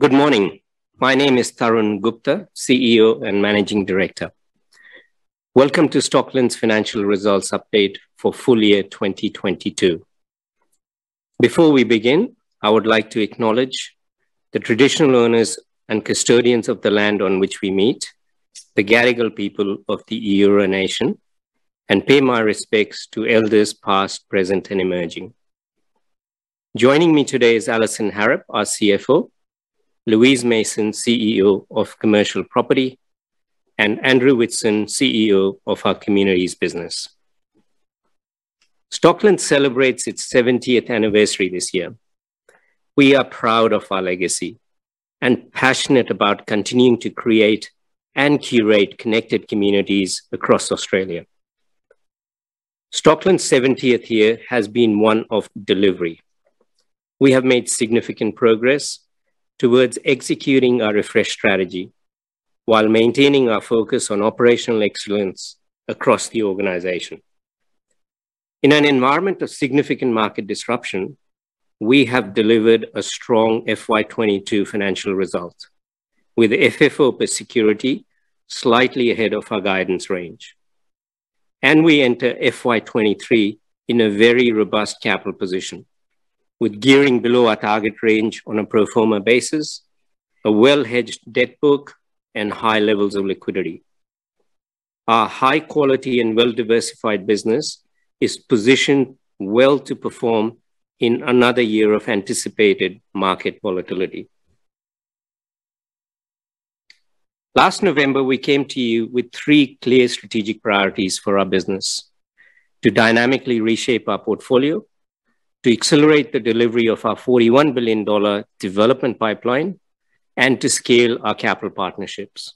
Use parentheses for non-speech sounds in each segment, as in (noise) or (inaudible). Good morning. My name is Tarun Gupta, CEO and Managing Director. Welcome to Stockland's financial results update for full year 2022. Before we begin, I would like to acknowledge the traditional owners and custodians of the land on which we meet, the Gadigal people of the Eora Nation, and pay my respects to elders, past, present, and emerging. Joining me today is Alison Harrop, our CFO, Louise Mason, CEO of Commercial Property, and Andrew Whitson, CEO of our Communities business. Stockland celebrates its seventieth anniversary this year. We are proud of our legacy and passionate about continuing to create and curate connected communities across Australia. Stockland's seventieth year has been one of delivery. We have made significant progress towards executing our refresh strategy while maintaining our focus on operational excellence across the organization. In an environment of significant market disruption, we have delivered a strong FY2022 financial result, with FFO per security slightly ahead of our guidance range. We enter FY2023 in a very robust capital position, with gearing below our target range on a pro forma basis, a well-hedged debt book, and high levels of liquidity. Our high quality and well-diversified business is positioned well to perform in another year of anticipated market volatility. Last November, we came to you with three clear strategic priorities for our business. To dynamically reshape our portfolio, to accelerate the delivery of our 41 billion dollar development pipeline, and to scale our capital partnerships.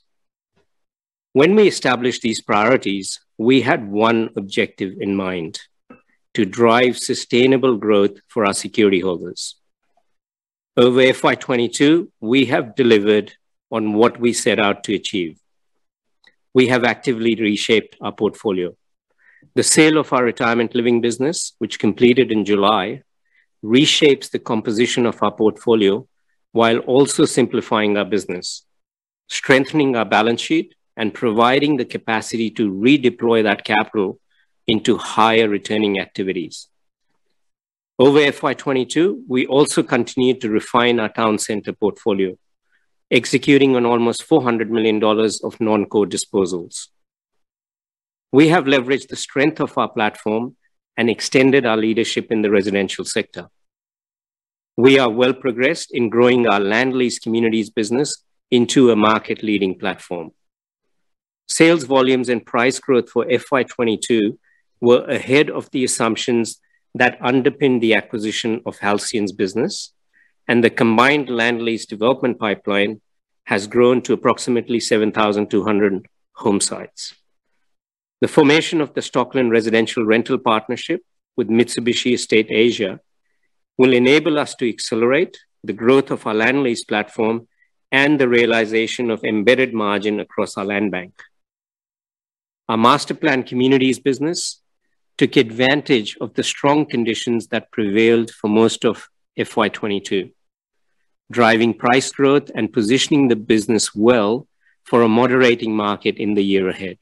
When we established these priorities, we had one objective in mind. To drive sustainable growth for our security holders. Over FY2022, we have delivered on what we set out to achieve. We have actively reshaped our portfolio. The sale of our retirement living business, which completed in July, reshapes the composition of our portfolio while also simplifying our business, strengthening our balance sheet, and providing the capacity to redeploy that capital into higher returning activities. Over FY2022, we also continued to refine our town centers portfolio, executing on almost 400 million dollars of non-core disposals. We have leveraged the strength of our platform and extended our leadership in the residential sector. We are well progressed in growing our Land Lease Communities business into a market-leading platform. Sales volumes and price growth for FY2022 were ahead of the assumptions that underpin the acquisition of Halcyon's business, and the combined land lease development pipeline has grown to approximately 7,200 home sites. The formation of the Stockland Residential Rental Partnership with Mitsubishi Estate Asia will enable us to accelerate the growth of our Land Lease platform and the realization of embedded margin across our land bank. Our master plan communities business took advantage of the strong conditions that prevailed for most of FY2022, driving price growth and positioning the business well for a moderating market in the year ahead.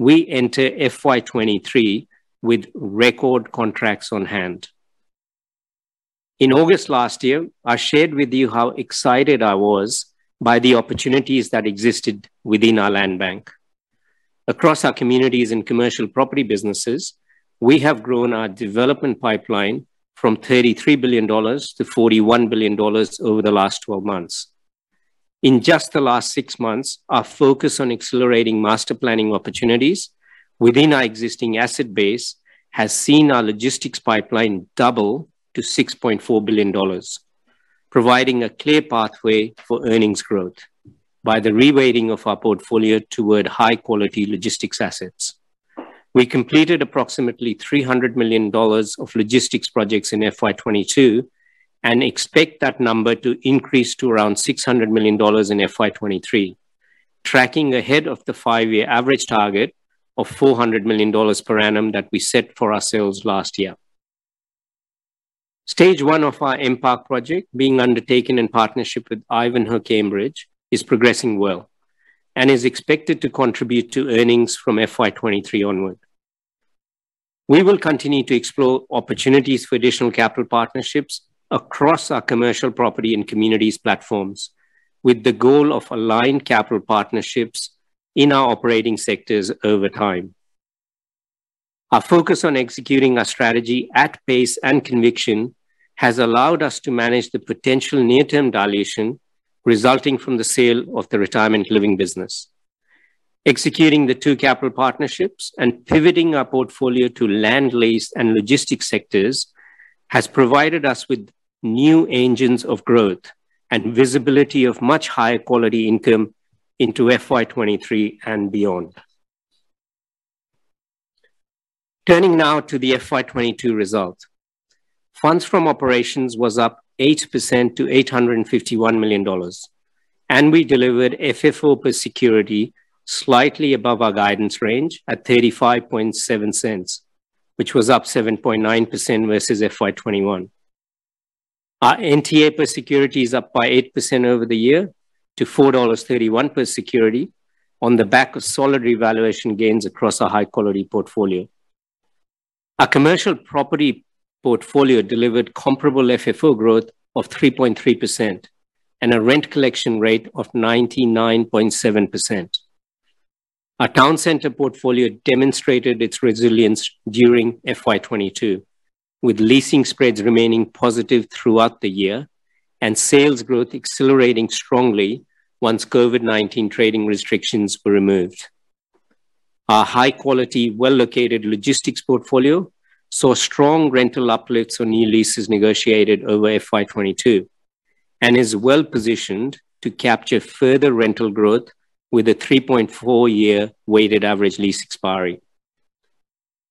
We enter FY2023 with record contracts on hand. In August last year, I shared with you how excited I was by the opportunities that existed within our land bank. Across our communities and commercial property businesses, we have grown our development pipeline from 33 billion dollars to 41 billion dollars over the last 12 months. In just the last six months, our focus on accelerating master planning opportunities within our existing asset base has seen our logistics pipeline double to 6.4 billion dollars, providing a clear pathway for earnings growth by the reweighting of our portfolio toward high-quality logistics assets. We completed approximately 300 million dollars of logistics projects in FY2022 and expect that number to increase to around 600 million dollars in FY2023, tracking ahead of the five-year average target of 400 million dollars per annum that we set for ourselves last year. Stage one of our M Park project being undertaken in partnership with Ivanhoé Cambridge is progressing well and is expected to contribute to earnings from FY2023 onward. We will continue to explore opportunities for additional capital partnerships across our commercial property and communities platforms with the goal of aligned capital partnerships in our operating sectors over time. Our focus on executing our strategy at pace and conviction has allowed us to manage the potential near-term dilution resulting from the sale of the retirement living business. Executing the two capital partnerships and pivoting our portfolio to land lease and logistics sectors has provided us with new engines of growth and visibility of much higher quality income into FY2023 and beyond. Turning now to the FY2022 results. Funds from operations was up 8% to 851 million dollars. We delivered FFO per security slightly above our guidance range at 0.357, which was up 7.9% versus FY2021. Our NTA per security is up by 8% over the year to 4.31 dollars per security on the back of solid revaluation gains across our high-quality portfolio. Our commercial property portfolio delivered comparable FFO growth of 3.3% and a rent collection rate of 99.7%. Our town center portfolio demonstrated its resilience during FY2022, with leasing spreads remaining positive throughout the year and sales growth accelerating strongly once COVID-19 trading restrictions were removed. Our high-quality, well-located logistics portfolio saw strong rental uplifts on new leases negotiated over FY2022 and is well-positioned to capture further rental growth with a 3.4-year weighted average lease expiry.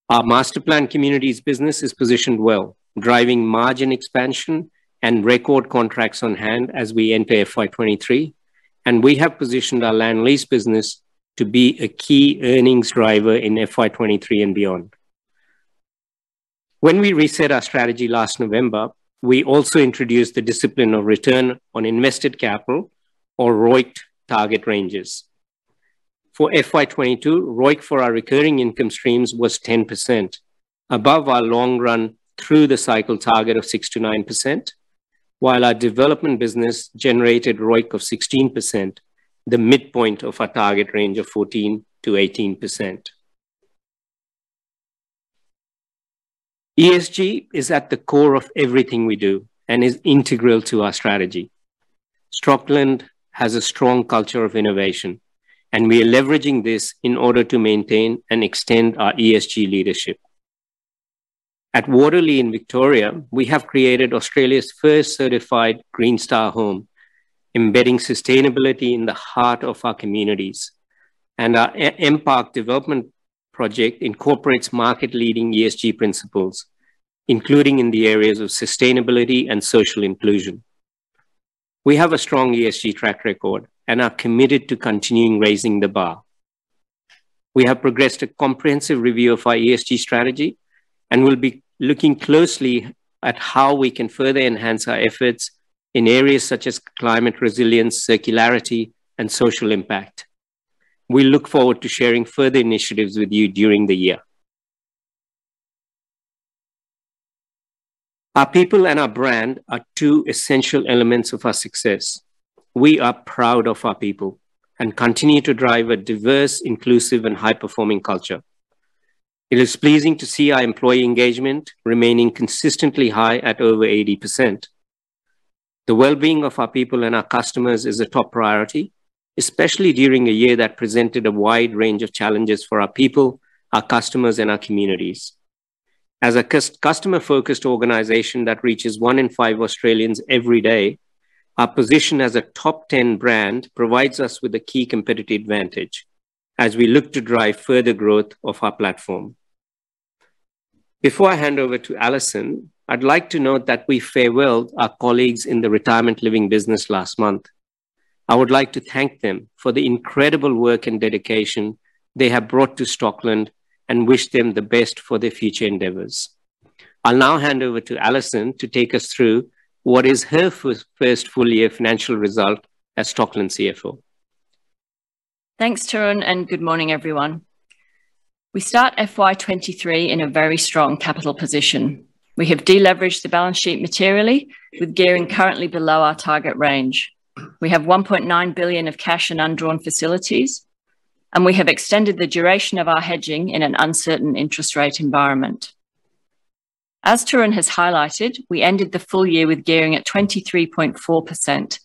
Our Master Planned Communities business is positioned well, driving margin expansion and record contracts on hand as we enter FY2023, and we have positioned our Land Lease business to be a key earnings driver in FY2023 and beyond. When we reset our strategy last November, we also introduced the discipline of return on invested capital or ROIC target ranges. For FY2022, ROIC for our recurring income streams was 10%, above our long run through-the-cycle target of 6%-9%, while our development business generated ROIC of 16%, the midpoint of our target range of 14%-18%. ESG is at the core of everything we do and is integral to our strategy. Stockland has a strong culture of innovation, and we are leveraging this in order to maintain and extend our ESG leadership. At Waterlea in Victoria, we have created Australia's first certified Green Star home, embedding sustainability in the heart of our communities. Our M Park development project incorporates market-leading ESG principles, including in the areas of sustainability and social inclusion. We have a strong ESG track record and are committed to continuing raising the bar. We have progressed a comprehensive review of our ESG strategy and will be looking closely at how we can further enhance our efforts in areas such as climate resilience, circularity, and social impact. We look forward to sharing further initiatives with you during the year. Our people and our brand are two essential elements of our success. We are proud of our people and continue to drive a diverse, inclusive, and high-performing culture. It is pleasing to see our employee engagement remaining consistently high at over 80%. The well-being of our people and our customers is a top priority, especially during a year that presented a wide range of challenges for our people, our customers, and our communities. As a customer-focused organization that reaches one in five Australians every day, our position as a top 10 brand provides us with a key competitive advantage as we look to drive further growth of our platform. Before I hand over to Alison, I'd like to note that we farewelled our colleagues in the retirement living business last month. I would like to thank them for the incredible work and dedication they have brought to Stockland and wish them the best for their future endeavors. I'll now hand over to Alison to take us through what is her first full year financial result as Stockland CFO. Thanks, Tarun, and good morning, everyone. We start FY 2023 in a very strong capital position. We have de-leveraged the balance sheet materially with gearing currently below our target range. We have 1.9 billion of cash and undrawn facilities, and we have extended the duration of our hedging in an uncertain interest rate environment. As Tarun has highlighted, we ended the full year with gearing at 23.4%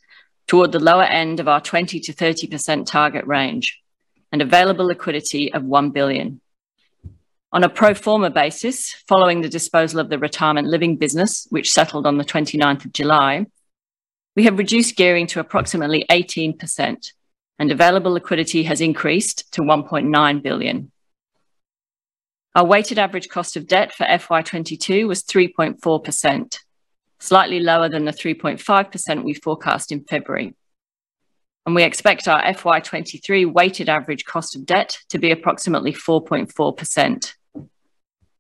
toward the lower end of our 20%-30% target range and available liquidity of 1 billion. On a pro forma basis, following the disposal of the retirement living business, which settled on the twenty-ninth of July, we have reduced gearing to approximately 18%, and available liquidity has increased to 1.9 billion. Our weighted average cost of debt for FY2022 was 3.4%, slightly lower than the 3.5% we forecast in February. We expect our FY2023 weighted average cost of debt to be approximately 4.4%.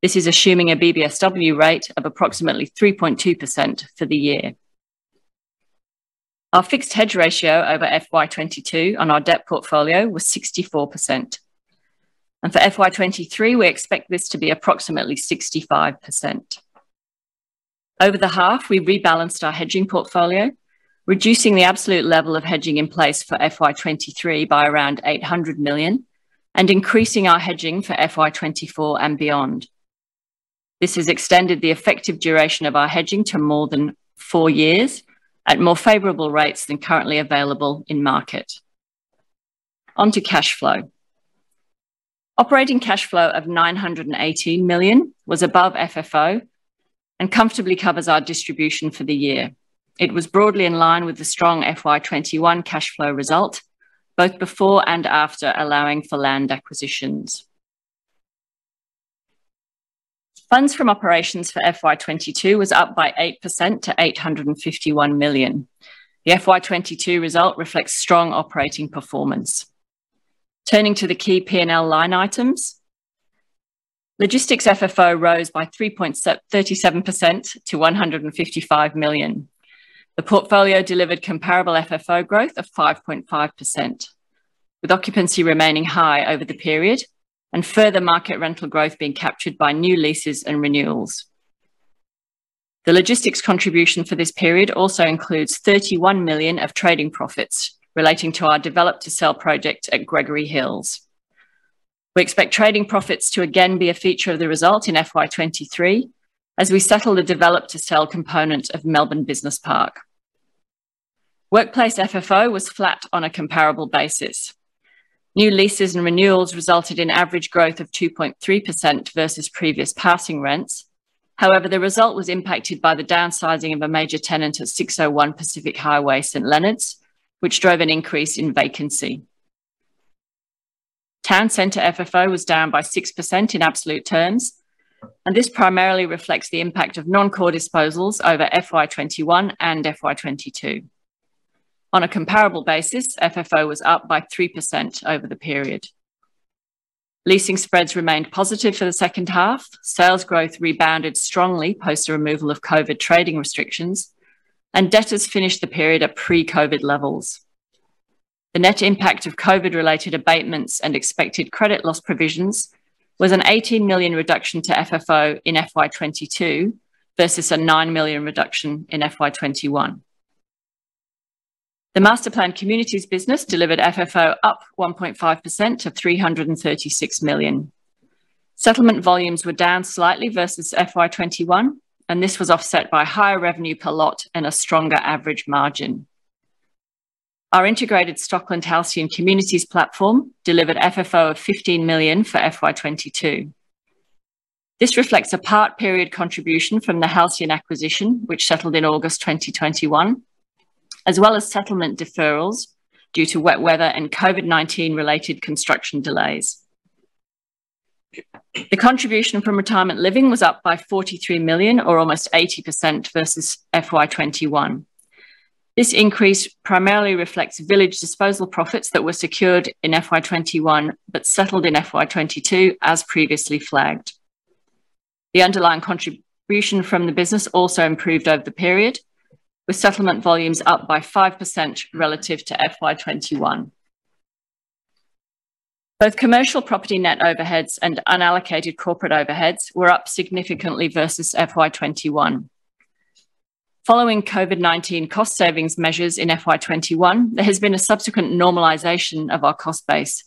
This is assuming a BBSW rate of approximately 3.2% for the year. Our fixed hedge ratio over FY2022 on our debt portfolio was 64%. For FY2023, we expect this to be approximately 65%. Over the half, we rebalanced our hedging portfolio, reducing the absolute level of hedging in place for FY2023 by around 800 million and increasing our hedging for FY2024 and beyond. This has extended the effective duration of our hedging to more than four years at more favorable rates than currently available in market. On to cash flow. Operating cash flow of 980 million was above FFO and comfortably covers our distribution for the year. It was broadly in line with the strong FY2021 cash flow result, both before and after allowing for land acquisitions. Funds from operations for FY2022 was up by 8% to 851 million. The FY2022 result reflects strong operating performance. Turning to the key P&L line items, Logistics FFO rose by 37% to 155 million. The portfolio delivered comparable FFO growth of 5.5%, with occupancy remaining high over the period and further market rental growth being captured by new leases and renewals. The logistics contribution for this period also includes 31 million of trading profits relating to our develop to sell project at Gregory Hills. We expect trading profits to again be a feature of the result in FY2023 as we settle the develop to sell component of Melbourne Business Park. Workplace FFO was flat on a comparable basis. New leases and renewals resulted in average growth of 2.3% versus previous passing rents. However, the result was impacted by the downsizing of a major tenant at 601 Pacific Highway, St Leonards, which drove an increase in vacancy. Town Center FFO was down by 6% in absolute terms, and this primarily reflects the impact of non-core disposals over FY2021 and FY2022. On a comparable basis, FFO was up by 3% over the period. Leasing spreads remained positive for the second half. Sales growth rebounded strongly post the removal of COVID trading restrictions, and debtors finished the period at pre-COVID levels. The net impact of COVID-19-related abatements and expected credit loss provisions was an 18 million reduction to FFO in FY2022 versus a 9 million reduction in FY2021. The masterplanned communities' business delivered FFO up 1.5% to 336 million. Settlement volumes were down slightly versus FY2021, and this was offset by higher revenue per lot and a stronger average margin. Our integrated Stockland Halcyon Communities platform delivered FFO of 15 million for FY2022. This reflects a part period contribution from the Halcyon acquisition, which settled in August 2021, as well as settlement deferrals due to wet weather and COVID-19-related construction delays. The contribution from retirement living was up by 43 million or almost 80% versus FY2021. This increase primarily reflects village disposal profits that were secured in FY2021 but settled in FY2022 as previously flagged. The underlying contribution from the business also improved over the period, with settlement volumes up by 5% relative to FY2021. Both commercial property net overheads and unallocated corporate overheads were up significantly versus FY2021. Following COVID-19 cost savings measures in FY2021, there has been a subsequent normalization of our cost base,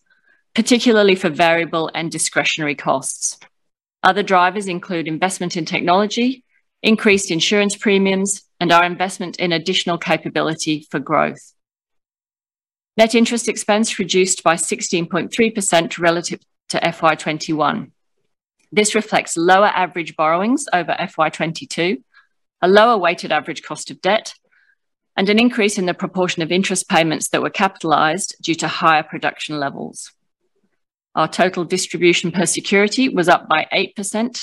particularly for variable and discretionary costs. Other drivers include investment in technology, increased insurance premiums, and our investment in additional capability for growth. Net interest expense reduced by 16.3% relative to FY2021. This reflects lower average borrowings over FY2022, a lower weighted average cost of debt, and an increase in the proportion of interest payments that were capitalized due to higher production levels. Our total distribution per security was up by 8%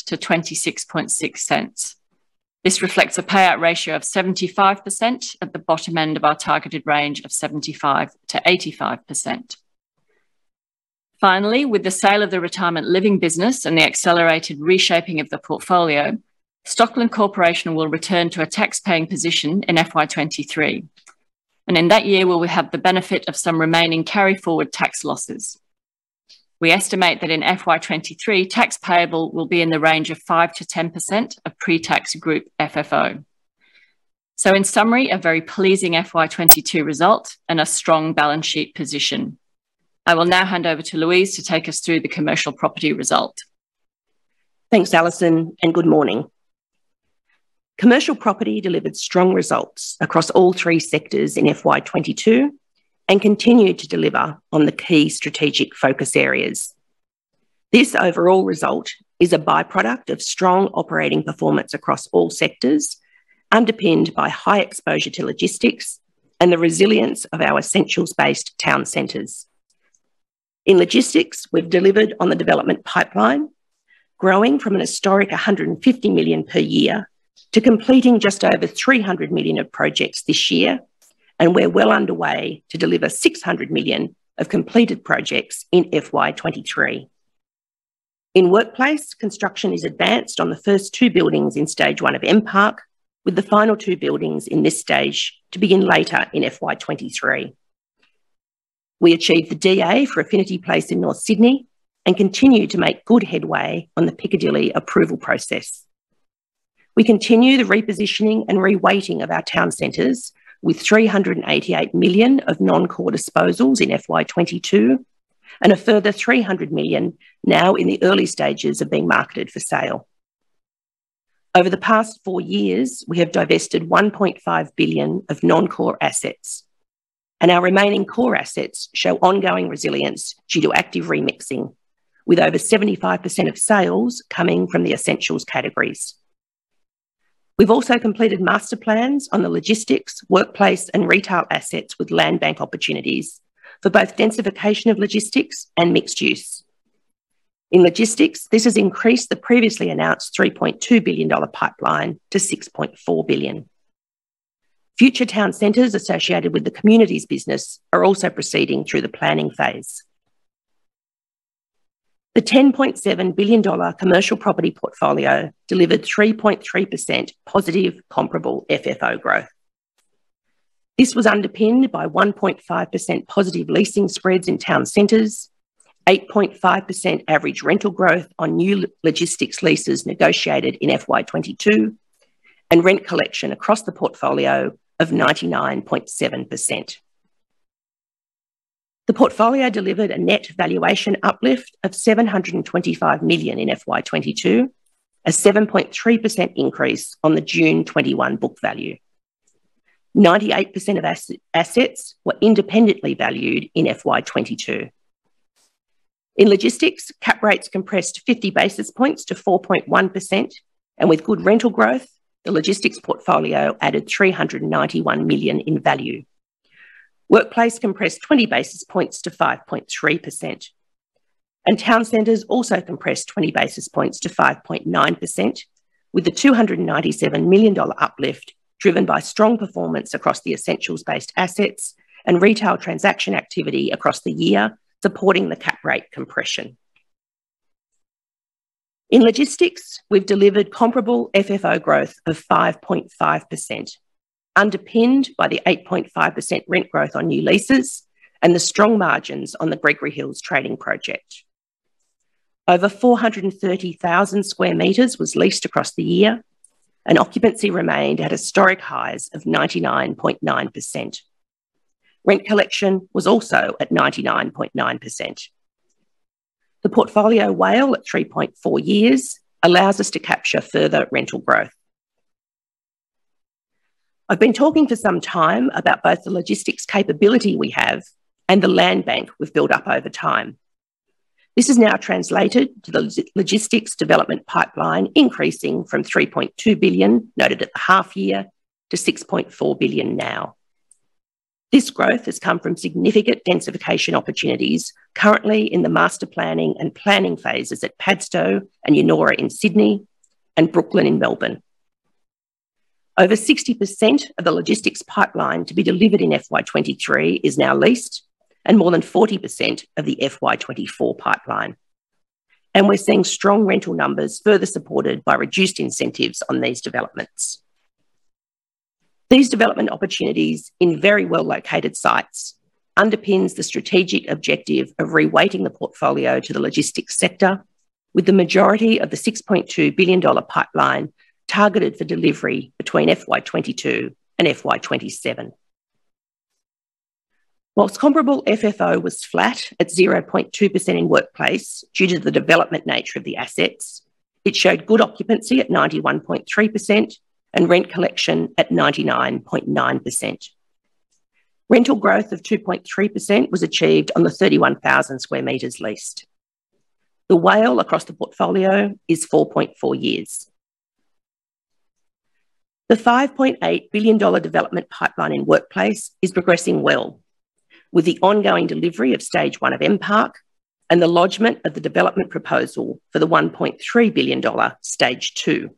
to 0.266. This reflects a payout ratio of 75% at the bottom end of our targeted range of 75%-85%. Finally, with the sale of the retirement living business and the accelerated reshaping of the portfolio, Stockland Corporation will return to a tax paying position in FY2023, and in that year will we have the benefit of some remaining carry forward tax losses. We estimate that in FY2023, tax payable will be in the range of 5%-10% of pre-tax group FFO. In summary, a very pleasing FY2022 result and a strong balance sheet position. I will now hand over to Louise to take us through the commercial property result. Thanks, Alison, and good morning. Commercial property delivered strong results across all three sectors in FY2022 and continued to deliver on the key strategic focus areas. This overall result is a by-product of strong operating performance across all sectors, underpinned by high exposure to logistics and the resilience of our essentials-based town centres. In logistics, we've delivered on the development pipeline, growing from a historic 150 million per year to completing just over 300 million of projects this year, and we're well underway to deliver 600 million of completed projects in FY2023. In workplace, construction is advanced on the first two buildings in stage one of M Park, with the final two buildings in this stage to begin later in FY2023. We achieved the DA for Affinity Place in North Sydney and continue to make good headway on the Piccadilly approval process. We continue the repositioning and reweighting of our town centres with 388 million of non-core disposals in FY2022 and a further 300 million now in the early stages of being marketed for sale. Over the past four years, we have divested 1.5 billion of non-core assets, and our remaining core assets show ongoing resilience due to active remixing with over 75% of sales coming from the essentials categories. We've also completed master plans on the logistics, workplace, and retail assets with land bank opportunities for both densification of logistics and mixed use. In logistics, this has increased the previously announced 3.2 billion dollar pipeline to 6.4 billion. Future town centres associated with the communities business are also proceeding through the planning phase. The 10.7 billion dollar commercial property portfolio delivered 3.3% positive comparable FFO growth. This was underpinned by 1.5% positive leasing spreads in town centres, 8.5% average rental growth on new logistics leases negotiated in FY 2022, and rent collection across the portfolio of 99.7%. The portfolio delivered a net valuation uplift of 725 million in FY 2022, a 7.3% increase on the June 2021 book value. 98% of assets were independently valued in FY 2022. In logistics, cap rates compressed 50 basis points to 4.1%, and with good rental growth, the logistics portfolio added 391 million in value. Workplace compressed 20 basis points to 5.3%, and town centres also compressed 20 basis points to 5.9% with an 297 million dollar uplift driven by strong performance across the essentials-based assets and retail transaction activity across the year supporting the cap rate compression. In logistics, we've delivered comparable FFO growth of 5.5%, underpinned by the 8.5% rent growth on new leases and the strong margins on the Gregory Hills trading project. Over 430,000 square meters was leased across the year, and occupancy remained at historic highs of 99.9%. Rent collection was also at 99.9%. The portfolio WALE at 3.4 years allows us to capture further rental growth. I've been talking for some time about both the logistics capability we have and the land bank we've built up over time. This has now translated to the logistics development pipeline increasing from 3.2 billion noted at the half year to 6.4 billion now. This growth has come from significant densification opportunities currently in the master planning and planning phases at Padstow and Yennora in Sydney and Brooklyn in Melbourne. Over 60% of the logistics pipeline to be delivered in FY2023 is now leased and more than 40% of the FY2024 pipeline. We're seeing strong rental numbers further supported by reduced incentives on these developments. These development opportunities in very well-located sites underpins the strategic objective of reweighting the portfolio to the logistics sector with the majority of the 6.2 billion dollar pipeline targeted for delivery between FY2022 and FY2027. While comparable FFO was flat at 0.2% in workplace due to the development nature of the assets, it showed good occupancy at 91.3% and rent collection at 99.9%. Rental growth of 2.3% was achieved on the 31,000 square meters leased. The WALE across the portfolio is 4.4 years. The 5.8 billion dollar development pipeline in workplace is progressing well with the ongoing delivery of stage 1 of M Park and the lodgment of the development proposal for the 1.3 billion dollar Stage 2.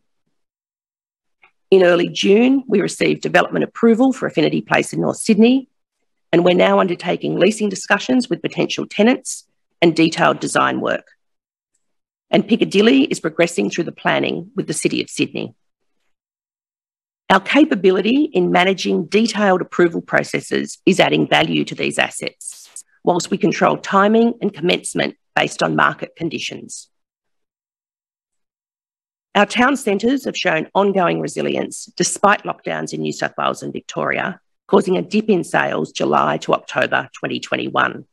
In early June, we received development approval for Affinity Place in North Sydney, and we're now undertaking leasing discussions with potential tenants and detailed design work. Piccadilly is progressing through the planning with the City of Sydney. Our capability in managing detailed approval processes is adding value to these assets while we control timing and commencement based on market conditions. Our town centres have shown ongoing resilience despite lockdowns in New South Wales and Victoria, causing a dip in sales July to October 2021.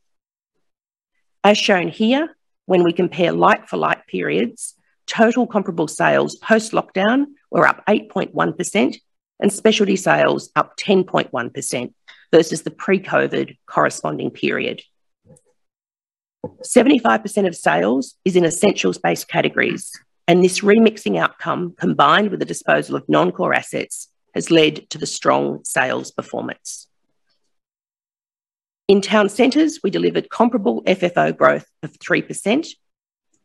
As shown here, when we compare like-for-like periods, total comparable sales post-lockdown were up 8.1% and specialty sales up 10.1% versus the pre-COVID corresponding period. 75% of sales is in essentials-based categories, and this remixing outcome, combined with the disposal of non-core assets, has led to the strong sales performance. In town centres, we delivered comparable FFO growth of 3%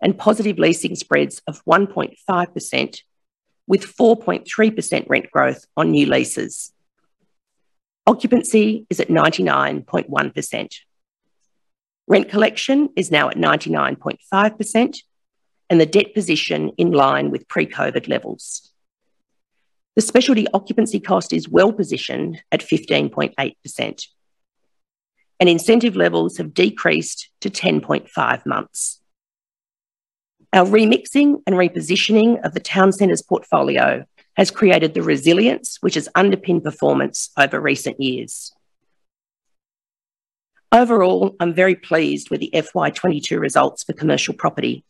and positive leasing spreads of 1.5% with 4.3% rent growth on new leases. Occupancy is at 99.1%. Rent collection is now at 99.5%, and the debt position in line with pre-COVID levels. The specialty occupancy cost is well positioned at 15.8%, and incentive levels have decreased to 10.5 months. Our remixing and repositioning of the town centres portfolio has created the resilience which has underpinned performance over recent years. Overall, I'm very pleased with the FY2022 results for commercial property,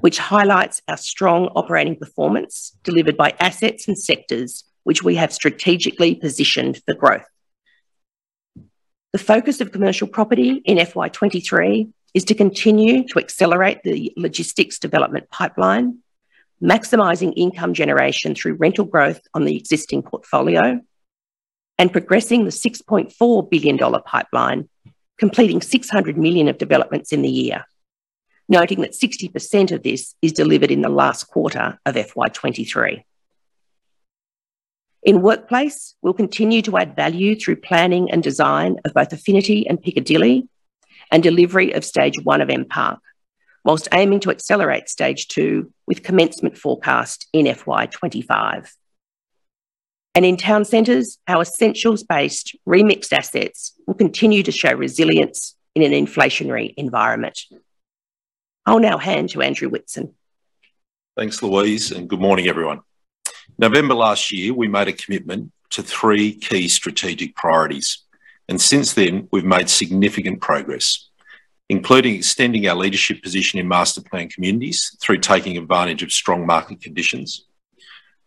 which highlights our strong operating performance delivered by assets and sectors which we have strategically positioned for growth. The focus of commercial property in FY2023 is to continue to accelerate the logistics development pipeline, maximizing income generation through rental growth on the existing portfolio, and progressing the 6.4 billion dollar pipeline, completing 600 million of developments in the year. Noting that 60% of this is delivered in the last quarter of FY2023. In workplace, we'll continue to add value through planning and design of both Affinity and Piccadilly and delivery of Stage 1 of M Park, whilst aiming to accelerate Stage 2 with commencement forecast in FY2025. In town centres, our essentials-based remixed assets will continue to show resilience in an inflationary environment. I'll now hand to Andrew Whitson. Thanks, Louise, and good morning, everyone. November last year, we made a commitment to three key strategic priorities. Since then, we've made significant progress, including extending our leadership position in Master Planned communities through taking advantage of strong market conditions,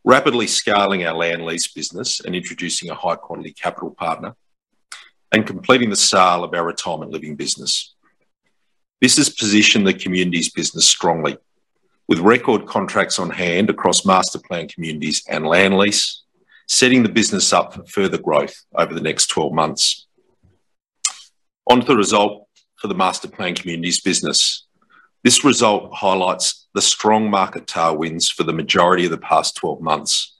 rapidly scaling our Land Lease business and introducing a high-quality capital partner, and completing the sale of our retirement living business. This has positioned the communities business strongly, with record contracts on hand across Master Planned Communities and Land Lease, setting the business up for further growth over the next 12 months. Onto the result for the Master Planned Communities business. This result highlights the strong market tailwinds for the majority of the past 12 months,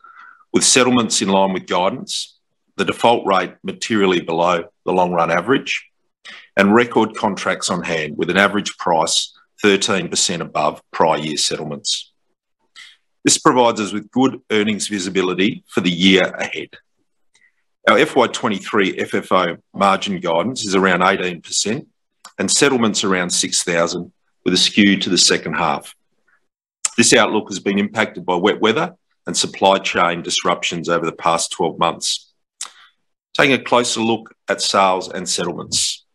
with settlements in line with guidance, the default rate materially below the long-run average, and record contracts on hand with an average price 13% above prior year settlements. This provides us with good earnings visibility for the year ahead. Our FY 2023 FFO margin guidance is around 18% and settlements around 6,000 with a skew to the second half. This outlook has been impacted by wet weather and supply chain disruptions over the past 12 months. Taking a closer look at sales and settlements.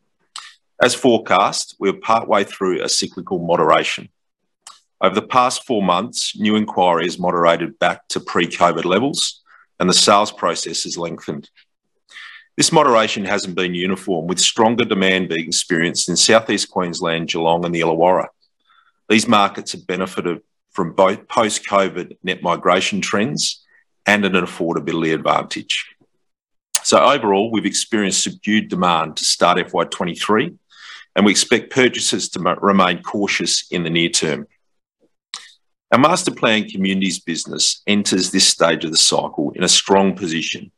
As forecast, we are partway through a cyclical moderation. Over the past four months, new inquiries moderated back to pre-COVID levels, and the sales process has lengthened. This moderation hasn't been uniform, with stronger demand being experienced in Southeast Queensland, Geelong and the Illawarra. These markets have benefited from both post-COVID net migration trends and an affordability advantage. Overall, we've experienced subdued demand to start FY2023, and we expect purchases to remain cautious in the near term. Our Masterplanned Communities business enters this stage of the cycle in a strong position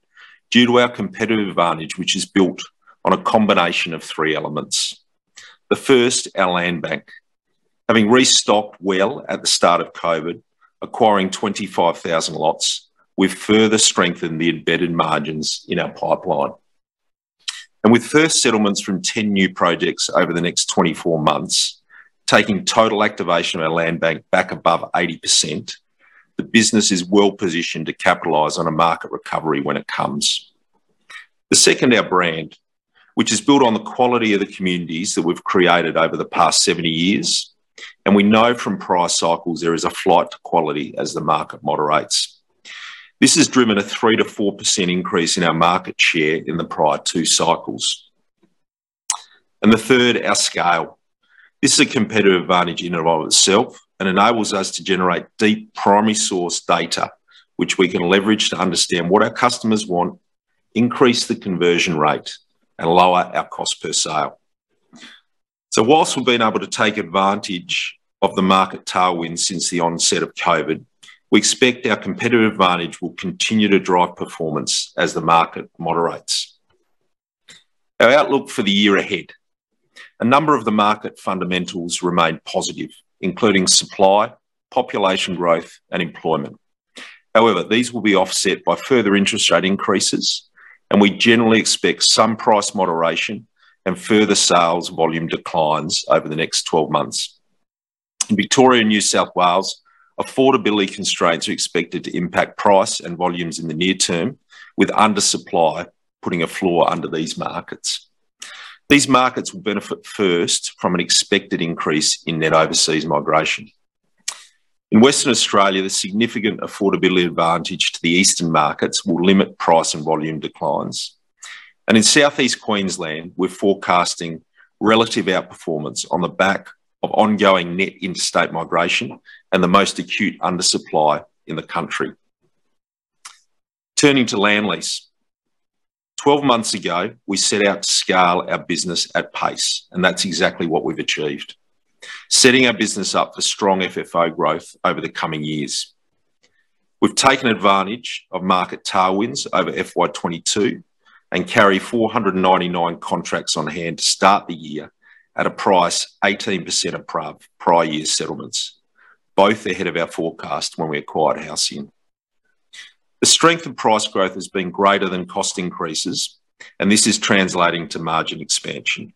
due to our competitive advantage, which is built on a combination of three elements. The first, our land bank. Having restocked well at the start of COVID, acquiring 25,000 lots, we've further strengthened the embedded margins in our pipeline. With first settlements from 10 new projects over the next 24 months, taking total activation of our land bank back above 80%, the business is well positioned to capitalize on a market recovery when it comes. The second, our brand, which is built on the quality of the communities that we've created over the past 70 years. We know from prior cycles there is a flight to quality as the market moderates. This has driven a 3%-4% increase in our market share in the prior two cycles. The third, our scale. This is a competitive advantage in and of itself and enables us to generate deep primary source data, which we can leverage to understand what our customers want, increase the conversion rate and lower our cost per sale. Whilst we've been able to take advantage of the market tailwind since the onset of COVID, we expect our competitive advantage will continue to drive performance as the market moderates. Our outlook for the year ahead. A number of the market fundamentals remain positive, including supply, population growth and employment. However, these will be offset by further interest rate increases, and we generally expect some price moderation and further sales volume declines over the next 12 months. In Victoria and New South Wales, affordability constraints are expected to impact price and volumes in the near term, with undersupply putting a floor under these markets. These markets will benefit first from an expected increase in net overseas migration. In Western Australia, the significant affordability advantage to the eastern markets will limit price and volume declines. In Southeast Queensland, we're forecasting relative outperformance on the back of ongoing net interstate migration and the most acute undersupply in the country. Turning to Land Lease. 12 months ago, we set out to scale our business at pace, and that's exactly what we've achieved, setting our business up for strong FFO growth over the coming years. We've taken advantage of market tailwinds over FY 2022 and carry 499 contracts on hand to start the year at a price 18% above prior year settlements, both ahead of our forecast when we acquired Halcyon. The strength of price growth has been greater than cost increases, and this is translating to margin expansion.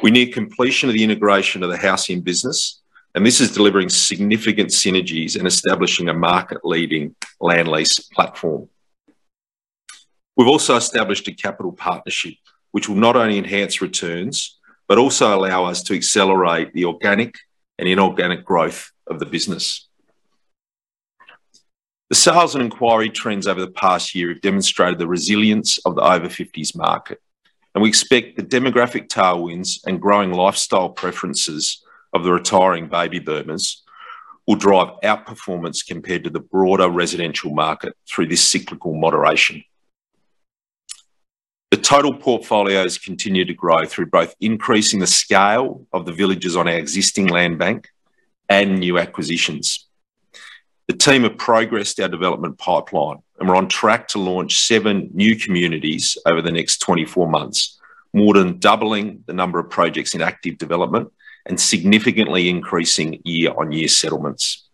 We near completion of the integration of the Halcyon business, and this is delivering significant synergies in establishing a market-leading Land Lease platform. We've also established a capital partnership which will not only enhance returns, but also allow us to accelerate the organic and inorganic growth of the business. The sales and inquiry trends over the past year have demonstrated the resilience of the over fifties market, and we expect the demographic tailwinds and growing lifestyle preferences of the retiring baby boomers will drive outperformance compared to the broader residential market through this cyclical moderation. The total portfolios continue to grow through both increasing the scale of the villages on our existing land bank and new acquisitions. The team have progressed our development pipeline, and we're on track to launch seven new communities over the next 24 months, more than doubling the number of projects in active development and significantly increasing year-on-year settlements.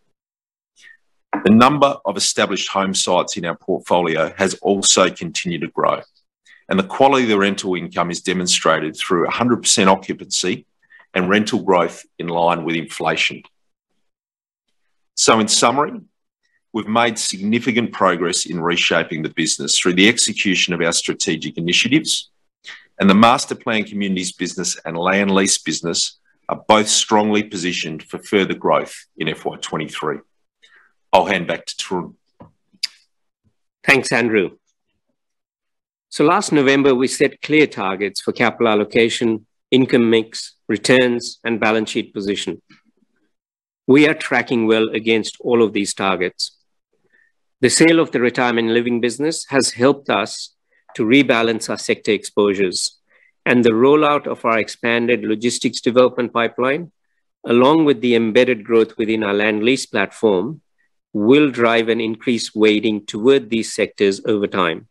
The number of established home sites in our portfolio has also continued to grow, and the quality of the rental income is demonstrated through 100% occupancy and rental growth in line with inflation. In summary, we've made significant progress in reshaping the business through the execution of our strategic initiatives and the Masterplanned Communities business and Land Lease business are both strongly positioned for further growth in FY2023. I'll hand back to Tarun. Thanks, Andrew. Last November, we set clear targets for capital allocation, income mix, returns, and balance sheet position. We are tracking well against all of these targets. The sale of the Retirement Living business has helped us to rebalance our sector exposures, and the rollout of our expanded logistics development pipeline, along with the embedded growth within our Land Lease platform, will drive an increased weighting toward these sectors over time.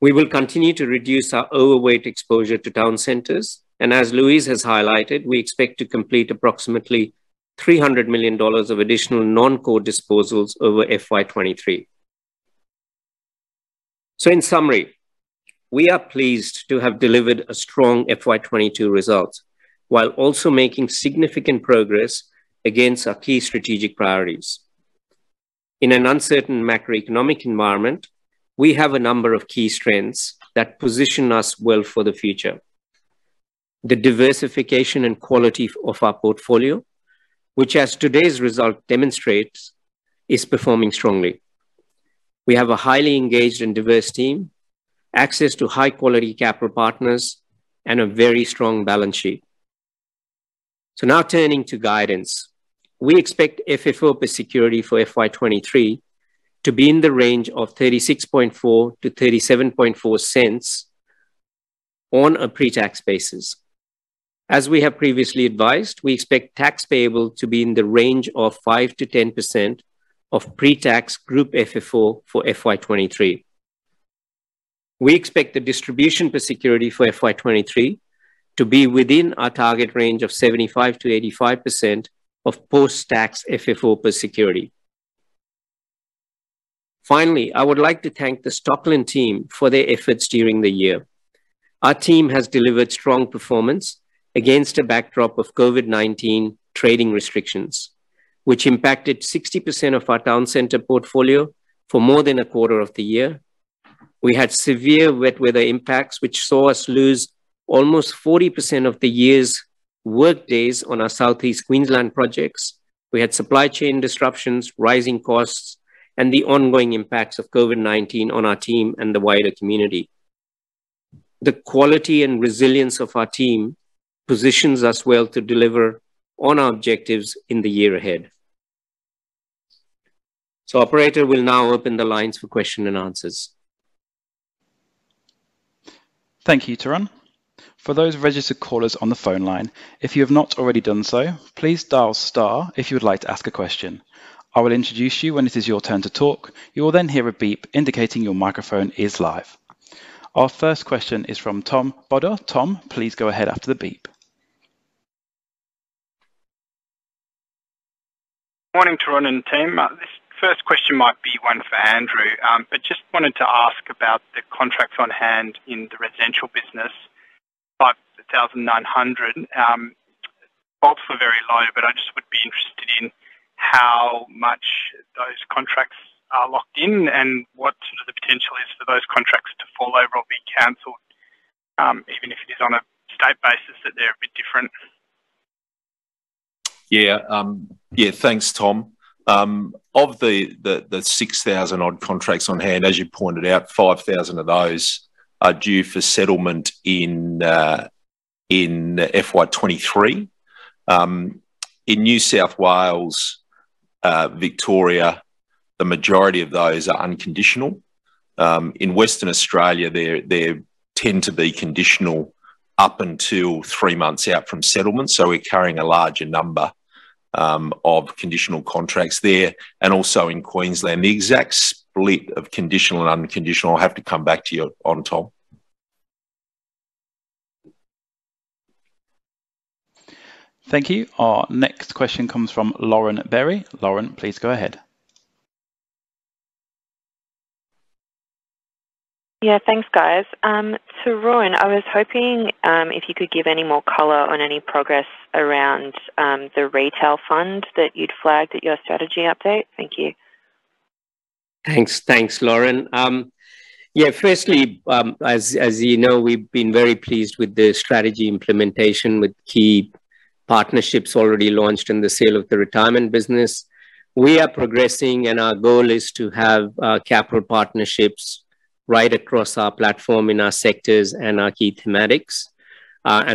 We will continue to reduce our overweight exposure to town centres, and as Louise has highlighted, we expect to complete approximately 300 million dollars of additional non-core disposals over FY2023. In summary, we are pleased to have delivered a strong FY2022 result while also making significant progress against our key strategic priorities. In an uncertain macroeconomic environment, we have a number of key strengths that position us well for the future. The diversification and quality of our portfolio, which as today's result demonstrates, is performing strongly. We have a highly engaged and diverse team, access to high-quality capital partners, and a very strong balance sheet. Now turning to guidance. We expect FFO per security for FY 2023 to be in the range of 0.364-0.374 on a pre-tax basis. As we have previously advised, we expect tax payable to be in the range of 5%-10% of pre-tax group FFO for FY 2023. We expect the distribution per security for FY 2023 to be within our target range of 75%-85% of post-tax FFO per security. Finally, I would like to thank the Stockland team for their efforts during the year. Our team has delivered strong performance against a backdrop of COVID-19 trading restrictions, which impacted 60% of our town center portfolio for more than a quarter of the year. We had severe wet weather impacts, which saw us lose almost 40% of the year's work days on our Southeast Queensland projects. We had supply chain disruptions, rising costs, and the ongoing impacts of COVID-19 on our team and the wider community. The quality and resilience of our team positions us well to deliver on our objectives in the year ahead. Operator will now open the lines for question and answers. Thank you, Tarun. For those registered callers on the phone line, if you have not already done so, please dial star if you would like to ask a question. I will introduce you when it is your turn to talk. You will then hear a beep indicating your microphone is live. Our first question is from Tom Bodor. Tom, please go ahead after the beep. Morning, Tarun and team. This first question might be one for Andrew. I just wanted to ask about the contracts on hand in the residential business, 5,900. Fallouts were very low, but I just would be interested in how much those contracts are locked in and what sort of potential is for those contracts to fall over or be canceled, even if it is on a state basis that they're a bit different. Yeah. Yeah. Thanks, Tom. Of the 6,000-odd contracts on hand, as you pointed out, 5,000 of those are due for settlement in FY 2023. In New South Wales, Victoria, the majority of those are unconditional. In Western Australia, they tend to be conditional up until three months out from settlement, so we're carrying a larger number of conditional contracts there and also in Queensland. The exact split of conditional and unconditional, I'll have to come back to you on, Tom. Thank you. Our next question comes from Lauren Berry. Lauren, please go ahead. Yeah, thanks, guys. Tarun, I was hoping, if you could give any more color on any progress around the retail fund that you'd flagged at your strategy update. Thank you. Thanks. Thanks, Lauren. Yeah, firstly, as you know, we've been very pleased with the strategy implementation with key partnerships already launched in the sale of the retirement business. We are progressing, and our goal is to have capital partnerships right across our platform in our sectors and our key thematics.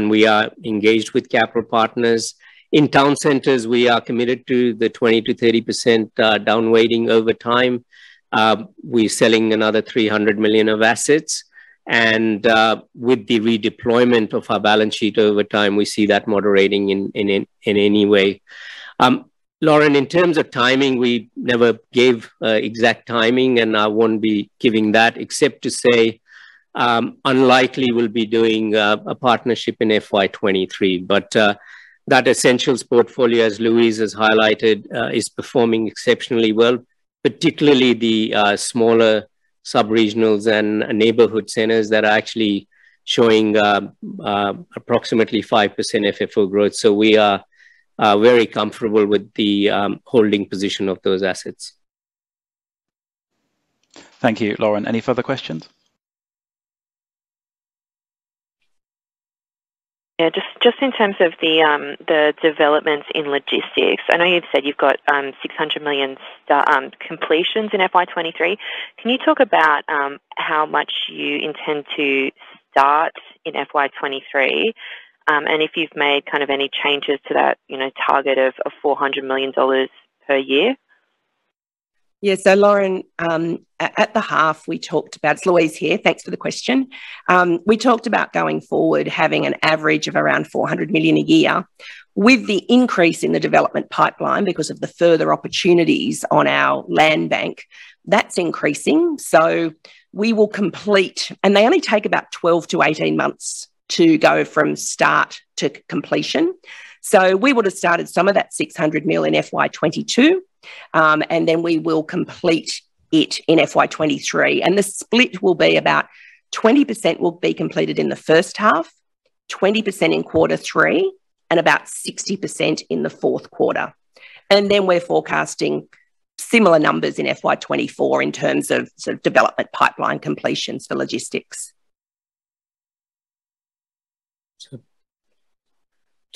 We are engaged with capital partners. In town centres, we are committed to the 20%-30% down weighting over time. We're selling another 300 million of assets, and with the redeployment of our balance sheet over time, we see that moderating in any way. Lauren, in terms of timing, we never gave exact timing, and I won't be giving that except to say, unlikely we'll be doing a partnership in FY 2023. That essentials portfolio, as Louise has highlighted, is performing exceptionally well, particularly the smaller sub-regionals and neighborhood centers that are actually showing approximately 5% FFO growth. We are very comfortable with the holding position of those assets. Thank you. Lauren, any further questions? Yeah, just in terms of the developments in logistics, I know you've said you've got 600 million completions in FY 2023. Can you talk about how much you intend to start in FY 2023, and if you've made kind of any changes to that, you know, target of 400 million dollars per year? Yeah. Lauren, at the half, we talked about. It's Louise here. Thanks for the question. We talked about going forward, having an average of around 400 million a year. With the increase in the development pipeline because of the further opportunities on our land bank, that's increasing, so we will complete. They only take about 12-18 months to go from start to completion. We would have started some of that 600 million in FY2022, and then we will complete it in FY2023. The split will be about 20% will be completed in the first half, 20% in quarter three, and about 60% in the Q4. Then we're forecasting similar numbers in FY2024 in terms of sort of development pipeline completions for logistics.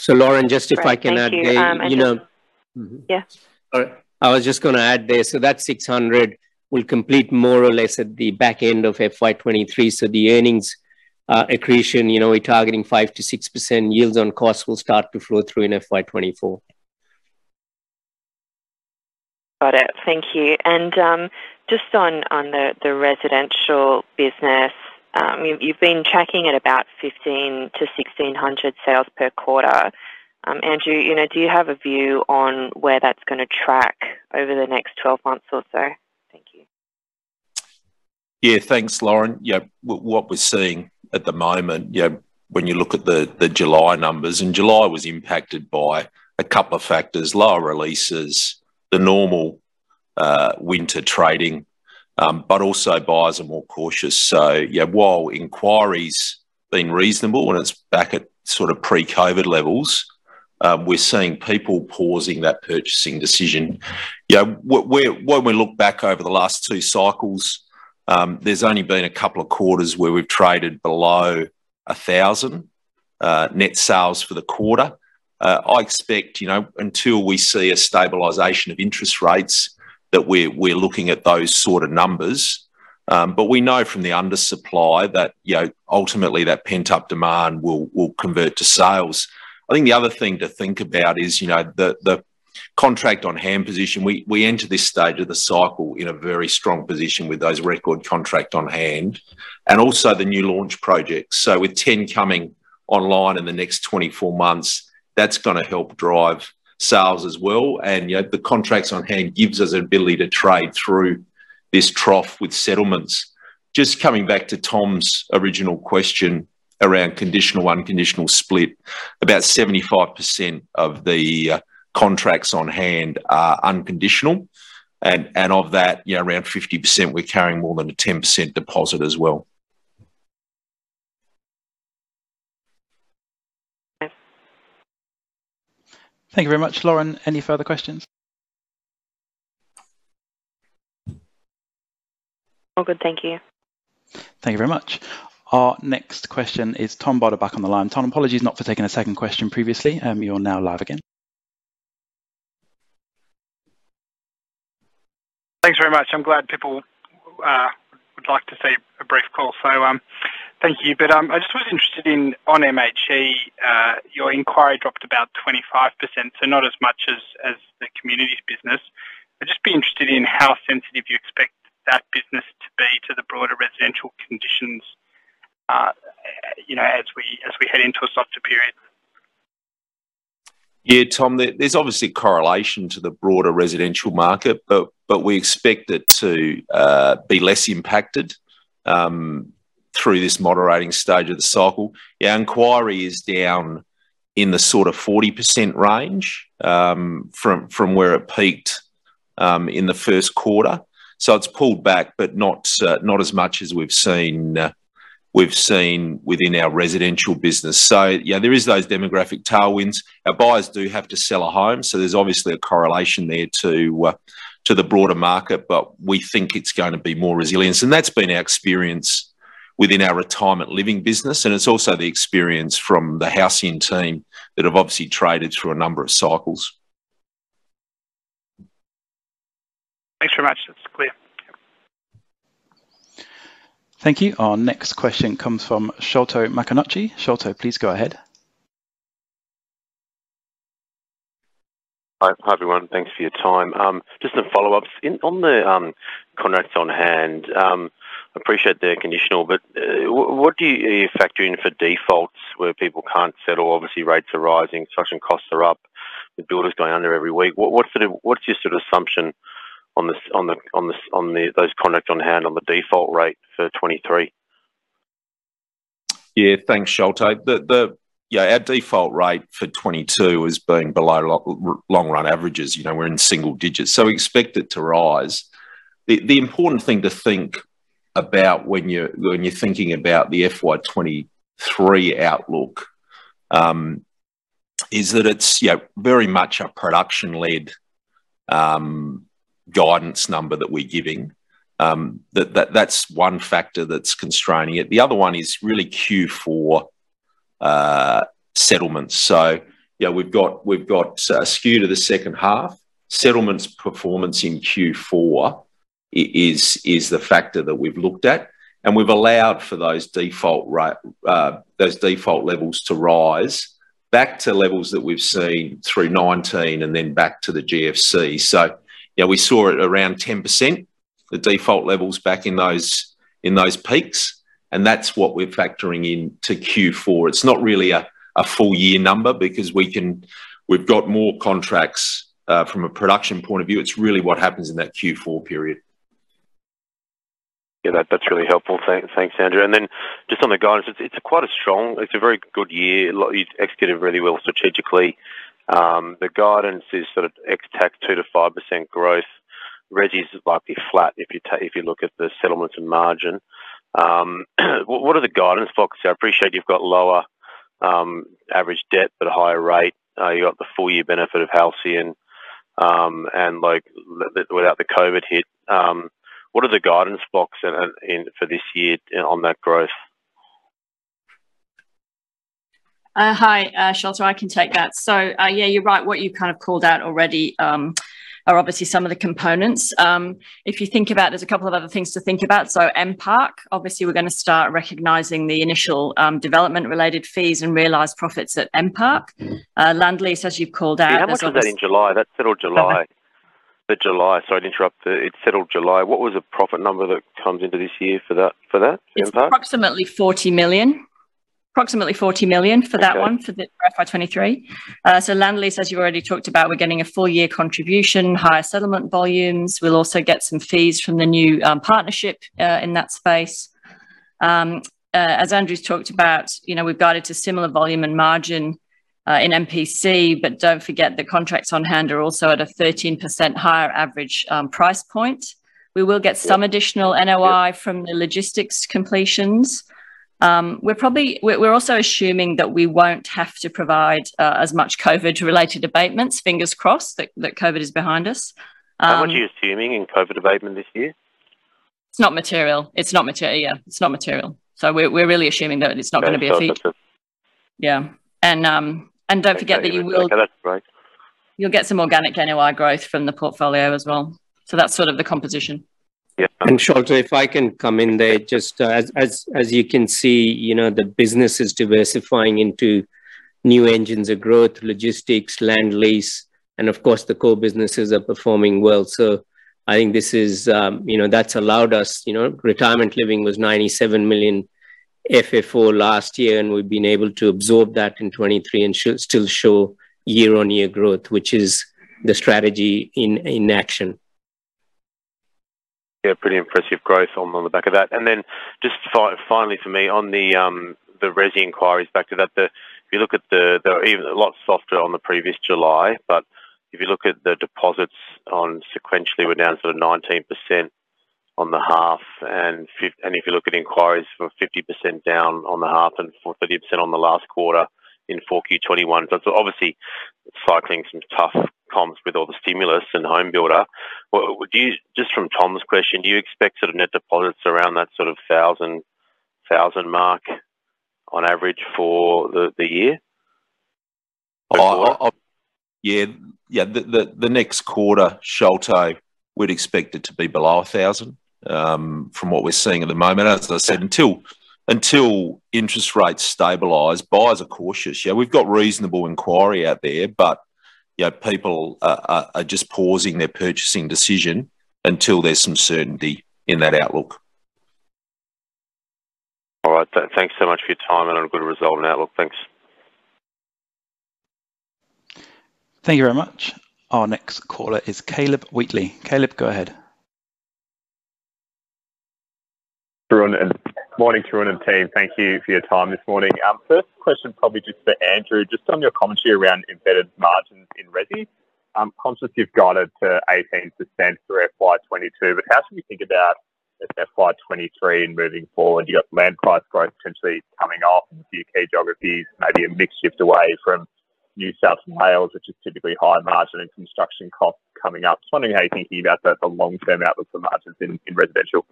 Lauren, just if I can add there, you know (crosstalk) Yeah. All right. I was just gonna add there, so that 600 will complete more or less at the back end of FY 2023. The earnings accretion, you know, we're targeting 5%-6% yields on costs will start to flow through in FY 2024. Got it. Thank you. Just on the residential business, you've been tracking at about 1,500-1,600 sales per quarter. Andrew, you know, do you have a view on where that's gonna track over the next 12 months or so? Thank you. Yeah. Thanks, Lauren. Yeah. What we're seeing at the moment, you know, when you look at the July numbers, and July was impacted by a couple of factors, lower releases, the normal winter trading, but also buyers are more cautious. Yeah, while inquiry's been reasonable and it's back at sort of pre-COVID levels, we're seeing people pausing that purchasing decision. You know, when we look back over the last two cycles, there's only been a couple of quarters where we've traded below 1,000 net sales for the quarter. I expect, you know, until we see a stabilization of interest rates that we're looking at those sort of numbers. We know from the undersupply that, you know, ultimately that pent-up demand will convert to sales. I think the other thing to think about is, you know, the contract on hand position. We enter this stage of the cycle in a very strong position with those record contract on hand and also the new launch projects. With 10 coming online in the next 24 months, that's gonna help drive sales as well. You know, the contracts on hand gives us an ability to trade through this trough with settlements. Just coming back to Tom's original question around conditional, unconditional split. About 75% of the contracts on hand are unconditional and of that, you know, around 50%, we're carrying more than a 10% deposit as well. Okay. Thank you very much. Lauren, any further questions? All good. Thank you. Thank you very much. Our next question is Tom Bodor back on the line. Tom, apologies not for taking a second question previously. You're now live again. Thanks very much. I'm glad people would like to see a brief call. Thank you. I just was interested in on MHE, your inquiry dropped about 25%, so not as much as the communities business. I'd just be interested in how sensitive you expect that business to be to the broader residential conditions, you know, as we head into a softer period. Yeah, Tom. There's obviously correlation to the broader residential market, but we expect it to be less impacted through this moderating stage of the cycle. Our inquiry is down in the sort of 40% range from where it peaked in the Q1. It's pulled back, but not as much as we've seen within our residential business. Yeah, there is those demographic tailwinds. Our buyers do have to sell a home, so there's obviously a correlation there to the broader market. We think it's gonna be more resilient. That's been our experience within our retirement living business, and it's also the experience from the Halcyon team that have obviously traded through a number of cycles. Thanks very much. That's clear. Thank you. Our next question comes from Sholto Maconochie. Sholto, please go ahead. Hi. Hi, everyone. Thanks for your time. Just some follow-ups. On the contracts on hand, appreciate they're conditional, but what are you factoring for defaults where people can't settle? Obviously, rates are rising, construction costs are up, the builders going under every week. What's your sort of assumption on those contracts on hand on the default rate for 2023? Yeah, thanks, Sholto. Our default rate for 2022 has been below long run averages. You know, we're in single digits, so we expect it to rise. The important thing to think about when you're thinking about the FY 2023 outlook is that it's, you know, very much a production-led guidance number that we're giving. That's one factor that's constraining it. The other one is really Q4 settlements. You know, we've got a skew to the second half. Settlements performance in Q4 is the factor that we've looked at, and we've allowed for those default levels to rise back to levels that we've seen through 2019 and then back to the GFC. You know, we saw it around 10%, the default levels back in those peaks, and that's what we're factoring into Q4. It's not really a full year number because we've got more contracts from a production point of view. It's really what happens in that Q4 period. Yeah, that's really helpful. Thanks, Andrew. Just on the guidance, it's quite a strong. It's a very good year. You've executed really well strategically. The guidance is sort of ex tax 2%-5% growth. Resi's likely flat if you look at the settlements and margin. What are the guidance blocks? I appreciate you've got lower average debt but a higher rate. You got the full year benefit of Halcyon, and, like, without the COVID hit. What are the guidance blocks for this year on that growth? Hi, Sholto. I can take that. Yeah, you're right. What you kind of called out already are obviously some of the components. If you think about, there's a couple of other things to think about. MPC, obviously we're gonna start recognizing the initial development-related fees and realized profits at MPC. Land lease, as you've called out, that's obviously. (crosstalk) Yeah, how much of that in July? That settled July. Sorry to interrupt. It settled July. What was the profit number that comes into this year for that MPark? It's approximately 40 million for that one. For the FY 2023. So land lease, as you already talked about, we're getting a full year contribution, higher settlement volumes. We'll also get some fees from the new partnership in that space. As Andrew's talked about, you know, we've guided to similar volume and margin in MPC, but don't forget the contracts on hand are also at a 13% higher average price point. We will get some additional NOI from the logistics completions. We're also assuming that we won't have to provide as much COVID-related abatements. Fingers crossed that COVID is behind us. How much are you assuming in COVID abatement this year? It's not material. Yeah, it's not material. We're really assuming that it's not gonna be a feature. Okay. That's it. Yeah. Don't forget that you will (crosstalk) Okay. That's great. You'll get some organic NOI growth from the portfolio as well. That's sort of the composition. Yeah. Sholto Maconochie, if I can come in there. Just as you can see, you know, the business is diversifying into new engines of growth, logistics, land lease, and of course the core businesses are performing well. I think this is, you know, that's allowed us, you know, retirement living was 97 million FFO last year, and we've been able to absorb that in 2023 and still show year-on-year growth, which is the strategy in action. Yeah, pretty impressive growth on the back of that. Just finally for me, on the resi inquiries, back to that, if you look at the, they're even a lot softer on the previous July. If you look at the deposits sequentially, we're now sort of 19% on the half and if you look at inquiries sort of 50% down on the half and sort of 30% on the last quarter in 4Q 2021. Obviously cycling some tough comps with all the stimulus and HomeBuilder. Well, just from Tom's question, do you expect sort of net deposits around that sort of thousand mark on average for the year? Yeah. The next quarter, Sholto, we'd expect it to be below 1,000 from what we're seeing at the moment. As I said, until interest rates stabilize, buyers are cautious. Yeah, we've got reasonable inquiry out there, but you know, people are just pausing their purchasing decision until there's some certainty in that outlook. All right. Thanks so much for your time and I've got to resolve an outlook. Thanks. Thank you very much. Our next caller is Caleb Wheatley. Caleb, go ahead. Good morning. Morning, Tarun and team. Thank you for your time this morning. First question probably just for Andrew, just on your commentary around embedded margins in resi. I'm conscious you've guided to 18% for FY 2022, but how should we think about the FY 2023 and moving forward? You got land price growth potentially coming off in a few key geographies, maybe a mix shift away from New South Wales, which is typically high margin and construction costs coming up. Just wondering how you're thinking about the long-term outlook for margins in residential?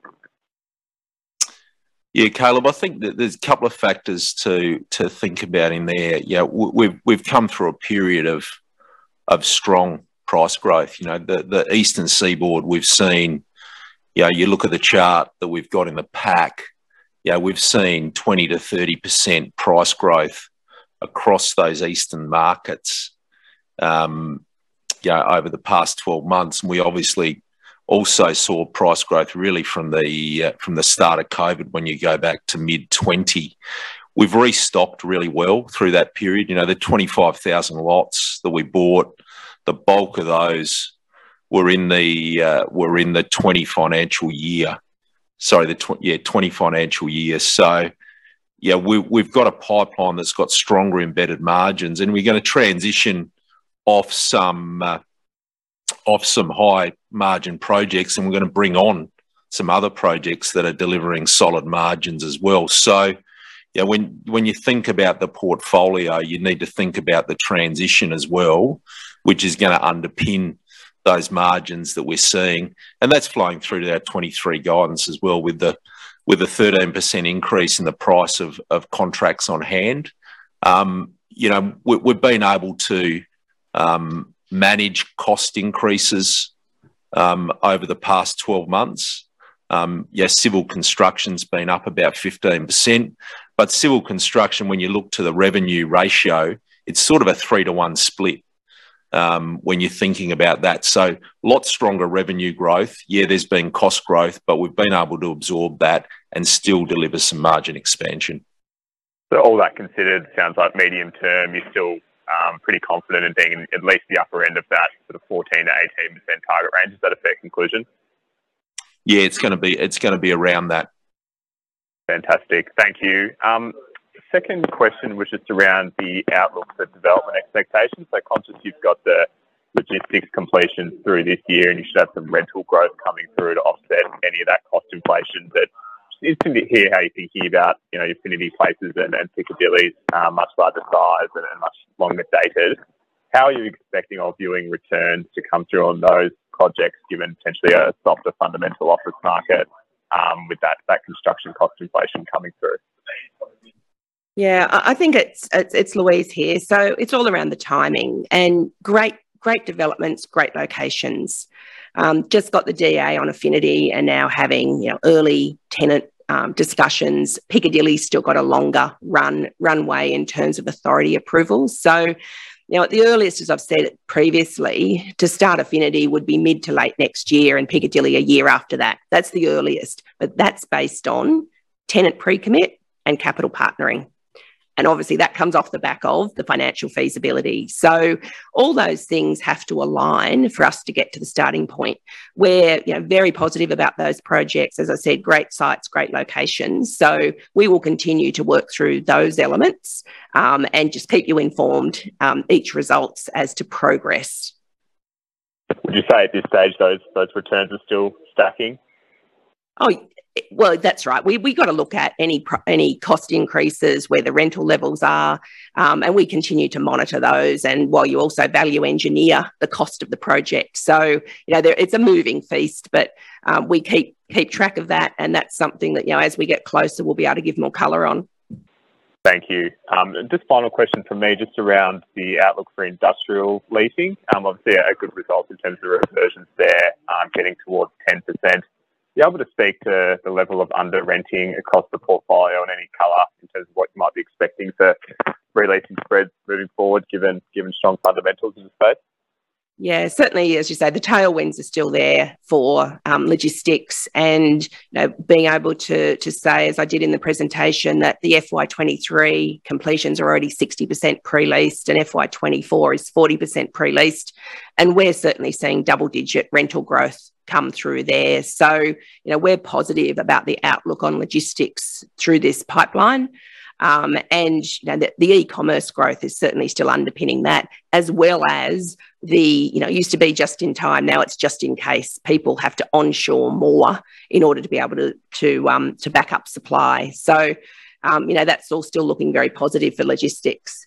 Yeah, Caleb, I think there's a couple of factors to think about in there. You know, we've come through a period of strong price growth. You know, the eastern seaboard, we've seen. You know, you look at the chart that we've got in the pack, you know, we've seen 20%-30% price growth across those eastern markets, you know, over the past 12 months. We obviously also saw price growth really from the start of COVID, when you go back to mid 2020. We've restocked really well through that period. You know, the 25,000 lots that we bought, the bulk of those were in the 2020 financial year. Yeah, we've got a pipeline that's got stronger embedded margins, and we're gonna transition off some high margin projects and we're gonna bring on some other projects that are delivering solid margins as well. You know, when you think about the portfolio, you need to think about the transition as well, which is gonna underpin those margins that we're seeing. That's flowing through to that 2023 guidance as well with the 13% increase in the price of contracts on hand. You know, we've been able to manage cost increases over the past 12 months. Yes, civil construction's been up about 15%. But civil construction, when you look to the revenue ratio, it's sort of a three-to-one split when you're thinking about that. Lots stronger revenue growth. Yeah, there's been cost growth, but we've been able to absorb that and still deliver some margin expansion. All that considered, sounds like medium term, you're still pretty confident in being in at least the upper end of that sort of 14%-18% target range. Is that a fair conclusion? It's gonna be around that. Fantastic. Thank you. Second question was just around the outlook for development expectations. Conscious you've got the logistics completion through this year, and you should have some rental growth coming through to offset any of that cost inflation. Just interested to hear how you're thinking about, you know, Affinity Places and Piccadilly much larger size and much longer dated. How are you expecting or viewing returns to come through on those projects, given potentially a softer fundamental office market, with that construction cost inflation coming through? Yeah. I think it's Louise here. It's all around the timing. Great developments, great locations. Just got the DA on Affinity and now having, you know, early tenant discussions. Piccadilly still got a longer runway in terms of authority approval. You know, at the earliest, as I've said previously, to start Affinity would be mid to late next year, and Piccadilly a year after that. That's the earliest. That's based on tenant pre-commit and capital partnering. Obviously that comes off the back of the financial feasibility. All those things have to align for us to get to the starting point. We're, you know, very positive about those projects. As I said, great sites, great locations. We will continue to work through those elements and just keep you informed each results as to progress. Would you say at this stage, those returns are still stacking? Oh, well, that's right. We've got to look at any cost increases, where the rental levels are, and we continue to monitor those and while we also value engineer the cost of the project. You know, it's a moving feast, but we keep track of that, and that's something that, you know, as we get closer, we'll be able to give more color on. Thank you. Just final question from me, just around the outlook for industrial leasing. Obviously a good result in terms of the reversions there, getting towards 10%. Are you able to speak to the level of under-renting across the portfolio and any color in terms of what you might be expecting for re-leasing spreads moving forward, given strong fundamentals in the space? Yeah. Certainly, as you say, the tailwinds are still there for logistics and, you know, being able to say, as I did in the presentation, that the FY 2023 completions are already 60% pre-leased and FY 2024 is 40% pre-leased, and we're certainly seeing double-digit rental growth come through there. You know, we're positive about the outlook on logistics through this pipeline. And, you know, the e-commerce growth is certainly still underpinning that, as well as. You know, it used to be just in time, now it's just in case. People have to onshore more in order to be able to back up supply. You know, that's all still looking very positive for logistics.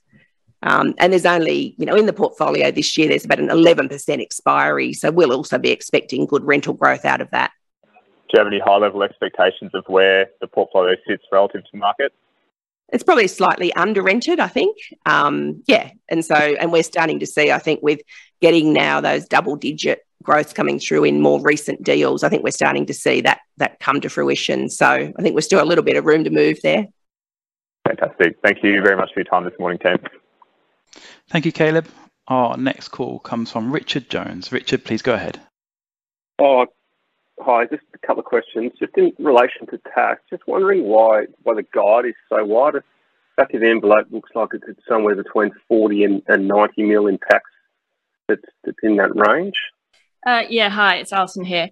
And there's only, you know, in the portfolio this year, there's about an 11% expiry, so we'll also be expecting good rental growth out of that. Do you have any high-level expectations of where the portfolio sits relative to market? It's probably slightly under-rented, I think. Yeah. We're starting to see, I think with getting now those double-digit growths coming through in more recent deals, I think we're starting to see that come to fruition. I think we've still a little bit of room to move there. Fantastic. Thank you very much for your time this morning, team. Thank you, Caleb. Our next call comes from Richard Jones. Richard, please go ahead. Oh, hi. Just a couple of questions. Just in relation to tax, just wondering why the guide is so wide. Back of the envelope looks like it's at somewhere between 40 million and 90 million in tax. That's in that range. Hi, it's Alison here.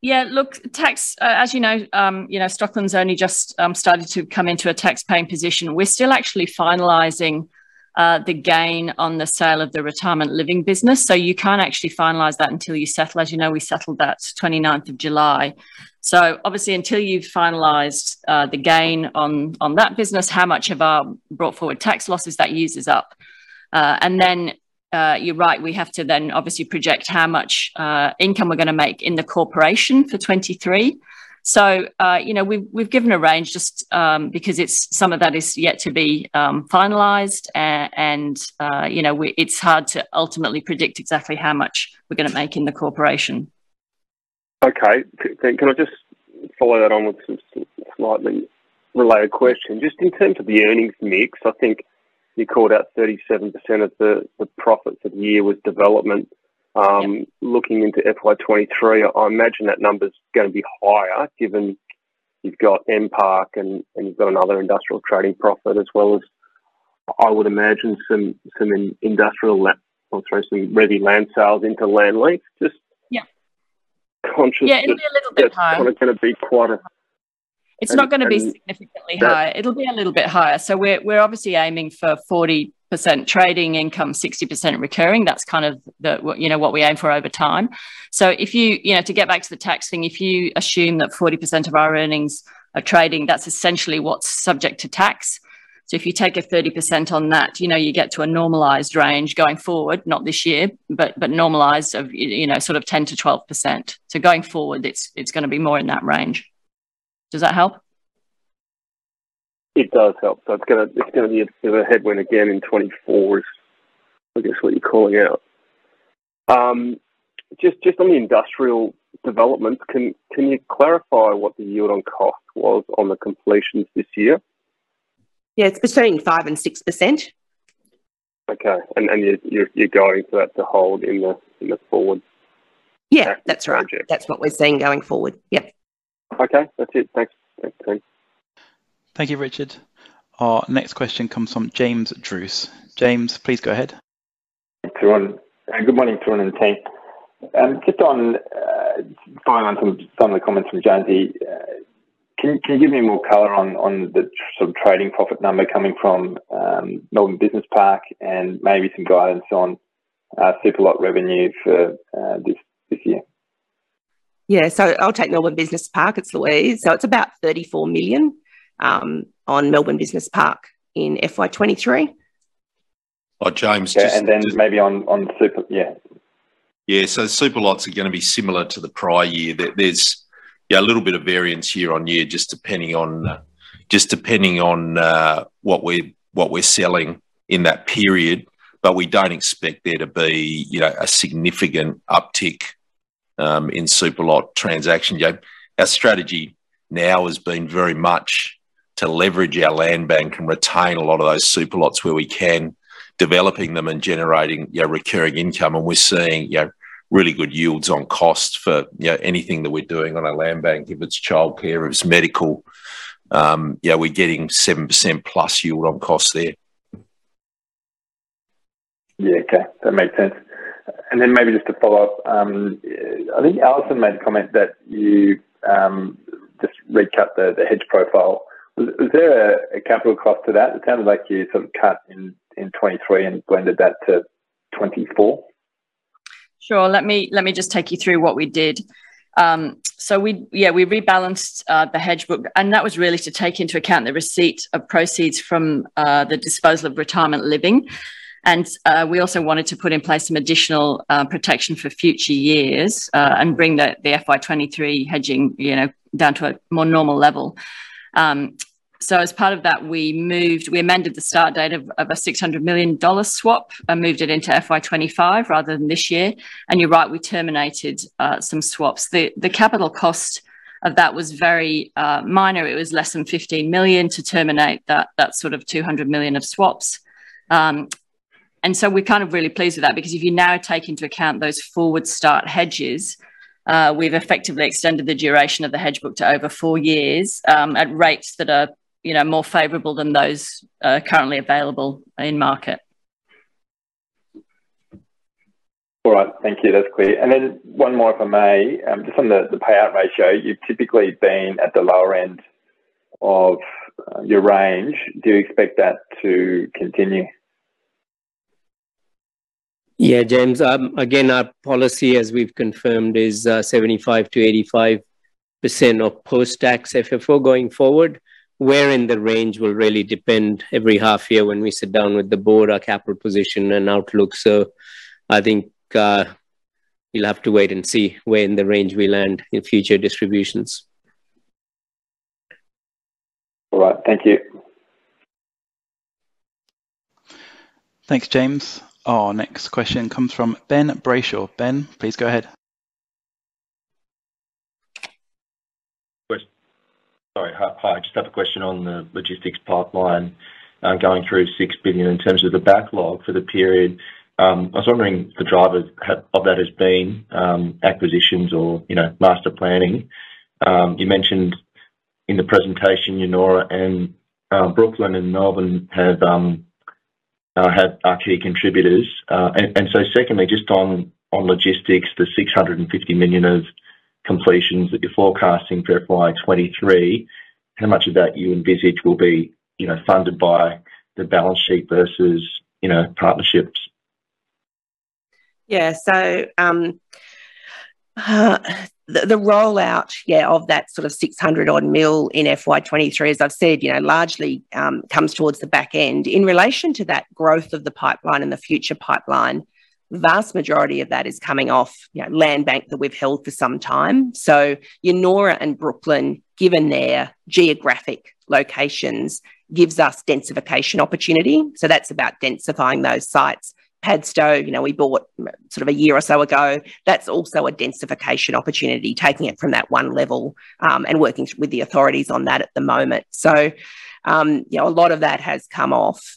Yeah, look, tax, as you know, you know, Stockland's only just started to come into a tax-paying position. We're still actually finalizing the gain on the sale of the retirement living business. You can't actually finalize that until you settle. As you know, we settled that twenty-ninth of July. Obviously, until you've finalized the gain on that business, how much of our brought forward tax losses that uses up. And then you're right. We have to then obviously project how much income we're gonna make in the corporation for 2023. You know, we've given a range just because it's some of that is yet to be finalized. And you know, it's hard to ultimately predict exactly how much we're gonna make in the corporation. Okay. Can I just follow that on with some slightly related question. Just in terms of the earnings mix, I think you called out 37% of the profits of the year was development. Looking into FY 2023, I imagine that number's gonna be higher given you've got MPark and you've got another industrial trading profit as well as I would imagine some ready land sales into land lease. Just (crosstalk) Yeah. Conscious that. Yeah, it'll be a little bit higher. That's probably gonna be quite a (crosstalk) It's not gonna be significantly higher. It'll be a little bit higher. We're obviously aiming for 40% trading income, 60% recurring. That's kind of the what, you know, what we aim for over time. If you know, to get back to the tax thing, if you assume that 40% of our earnings are trading, that's essentially what's subject to tax. If you take a 30% on that, you know, you get to a normalized range going forward, not this year, but normalized of, you know, sort of 10%-12%. Going forward, it's gonna be more in that range. Does that help? It does help. It's gonna be a headwind again in 2024 is I guess what you're calling out. Just on the industrial developments, can you clarify what the yield on cost was on the completions this year? Yeah. It's between 5% and 6%. You're going for that to hold in the forward (crosstalk) Yeah. That's right. Tax project. That's what we're seeing going forward. Yeah. Okay. That's it. Thanks, team. Thank you, Richard. Our next question comes from James Druce. James, please go ahead. Thanks, everyone. Good morning to everyone on the team. Just on following on some of the comments from Sholto Maconochie, can you give me more color on the sort of trading profit number coming from Melbourne Business Park and maybe some guidance on super lot revenue for this year? Yeah. I'll take Melbourne Business Park. It's Louise. It's about 34 million on Melbourne Business Park in FY 2023. Oh, James, just (crosstalk) Yeah, maybe on super. Yeah. Super lots are gonna be similar to the prior year. There's a little bit of variance year on year just depending on what we're selling in that period. We don't expect there to be, you know, a significant uptick in super lot transaction. Our strategy now has been very much to leverage our land bank and retain a lot of those super lots where we can, developing them and generating, you know, recurring income. We're seeing, you know, really good yields on cost for, you know, anything that we're doing on our land bank, if it's childcare, if it's medical, we're getting 7%+ yield on cost there. Yeah. Okay. That makes sense. Maybe just to follow up, I think Alison made a comment that you just recut the hedge profile. Was there a capital cost to that? It sounded like you sort of cut in 2023 and blended that to 2024. Sure. Let me just take you through what we did. We rebalanced the hedge book, and that was really to take into account the receipt of proceeds from the disposal of retirement living. We also wanted to put in place some additional protection for future years and bring the FY2023 hedging, you know, down to a more normal level. As part of that, we amended the start date of a 600 million dollar swap and moved it into FY2025 rather than this year. You're right, we terminated some swaps. The capital cost of that was very minor. It was less than 15 million to terminate that sort of 200 million of swaps. We're kind of really pleased with that because if you now take into account those forward start hedges, we've effectively extended the duration of the hedge book to over four years at rates that are, you know, more favorable than those currently available in market. All right. Thank you. That's clear. One more, if I may. Just on the payout ratio, you've typically been at the lower end of your range. Do you expect that to continue? Yeah, James. Again, our policy, as we've confirmed, is 75%-85% of post-tax FFO going forward. Where in the range will really depend every half year when we sit down with the board, our capital position and outlook. I think you'll have to wait and see where in the range we land in future distributions. All right. Thank you. Thanks, James. Our next question comes from Ben Brayshaw. Ben, please go ahead. Hi. I just have a question on the logistics pipeline, going through 6 billion in terms of the backlog for the period. I was wondering if the drivers of that has been acquisitions or, you know, master planning. You mentioned in the presentation, you know, and Brooklyn and Melbourne are key contributors. And so secondly, just on logistics, the 650 million of completions that you're forecasting for FY 2023, how much of that you envisage will be, you know, funded by the balance sheet versus, you know, partnerships? Yeah. The rollout of that sort of 600 million in FY 2023, as I've said, you know, largely comes towards the back end. In relation to that growth of the pipeline and the future pipeline, vast majority of that is coming off, you know, land bank that we've held for some time. Yennora and Brooklyn, given their geographic locations, gives us densification opportunity, that's about densifying those sites. Padstow, you know, we bought sort of a year or so ago. That's also a densification opportunity, taking it from that one level and working with the authorities on that at the moment. A lot of that has come off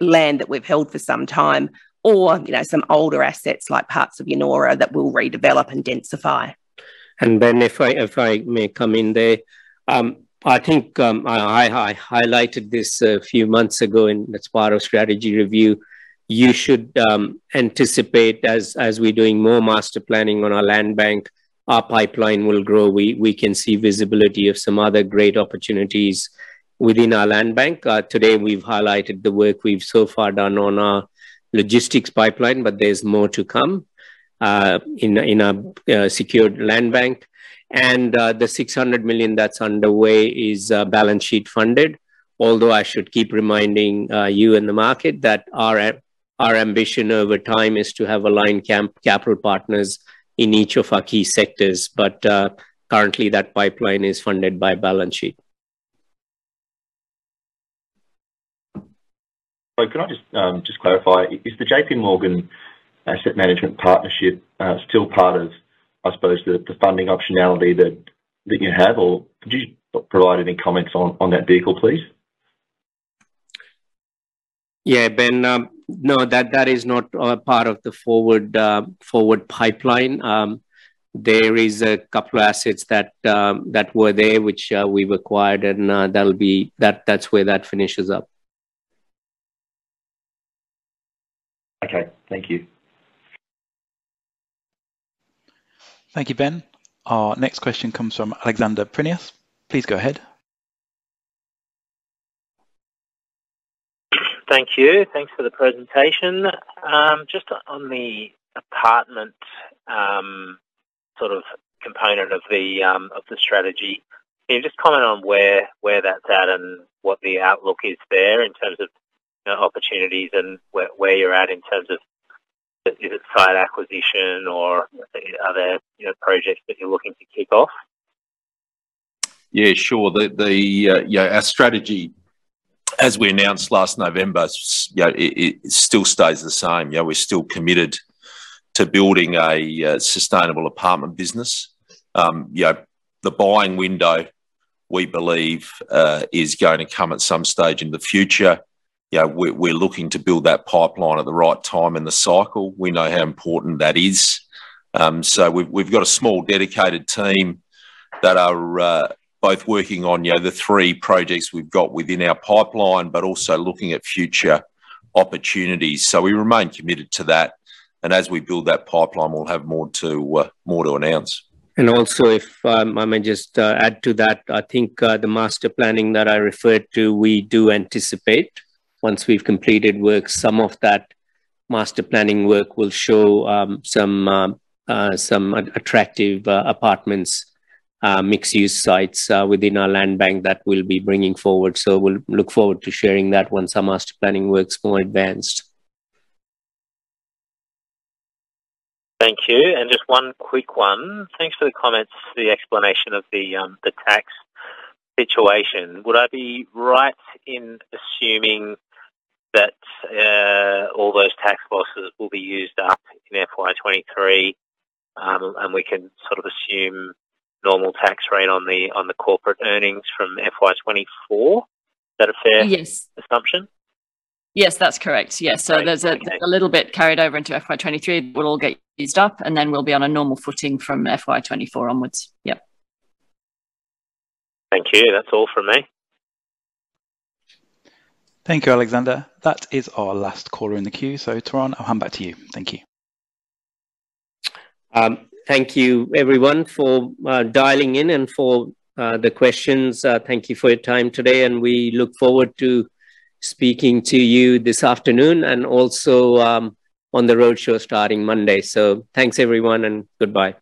land that we've held for some time or, you know, some older assets like parts of Yennora that we'll redevelop and densify. Ben, if I may come in there. I think I highlighted this a few months ago in as part of strategy review. You should anticipate as we're doing more master planning on our land bank, our pipeline will grow. We can see visibility of some other great opportunities within our land bank. Today we've highlighted the work we've so far done on our logistics pipeline, but there's more to come in a secured land bank. The 600 million that's underway is balance sheet funded. Although I should keep reminding you and the market that our ambition over time is to have aligned capital partners in each of our key sectors. Currently that pipeline is funded by balance sheet. Can I just clarify? Is the J.P. Morgan Asset Management partnership still part of, I suppose, the funding optionality that you have, or could you provide any comments on that vehicle, please? Yeah, Ben. No, that is not part of the forward pipeline. There is a couple of assets that were there, which we've acquired, and that'll be. That's where that finishes up. Okay. Thank you. Thank you, Ben. Our next question comes from Alexander Prineas. Please go ahead. Thank you. Thanks for the presentation. Just on the apartment sort of component of the strategy. Can you just comment on where that's at and what the outlook is there in terms of the opportunities and where you're at in terms of is it site acquisition or are there, you know, projects that you're looking to kick off? Yeah, sure. Our strategy, as we announced last November, so you know, it still stays the same. You know, we're still committed to building a sustainable apartment business. You know, the buying window, we believe, is going to come at some stage in the future. You know, we're looking to build that pipeline at the right time in the cycle. We know how important that is. We've got a small dedicated team that are both working on, you know, the three projects we've got within our pipeline, but also looking at future opportunities. We remain committed to that, and as we build that pipeline, we'll have more to announce. Also, if I may just add to that. I think the master planning that I referred to, we do anticipate once we've completed work, some of that master planning work will show some attractive apartments, mixed-use sites within our land bank that we'll be bringing forward. We'll look forward to sharing that once our master planning work's more advanced. Thank you. Just one quick one. Thanks for the comments, the explanation of the tax situation. Would I be right in assuming that all those tax losses will be used up in FY 2023, and we can sort of assume normal tax rate on the corporate earnings from FY 2024? Is that a fair (crosstalk) assumption? Yes, that's correct. Yes. Great. Okay. There's a little bit carried over into FY 2023. It will all get used up, and then we'll be on a normal footing from FY 2024 onwards. Yep. Thank you. That's all from me. Thank you, Alexander. That is our last caller in the queue, so Tarun, I'll hand back to you. Thank you. Thank you, everyone, for dialing in and for the questions. Thank you for your time today, and we look forward to speaking to you this afternoon and also on the roadshow starting Monday. Thanks, everyone, and goodbye.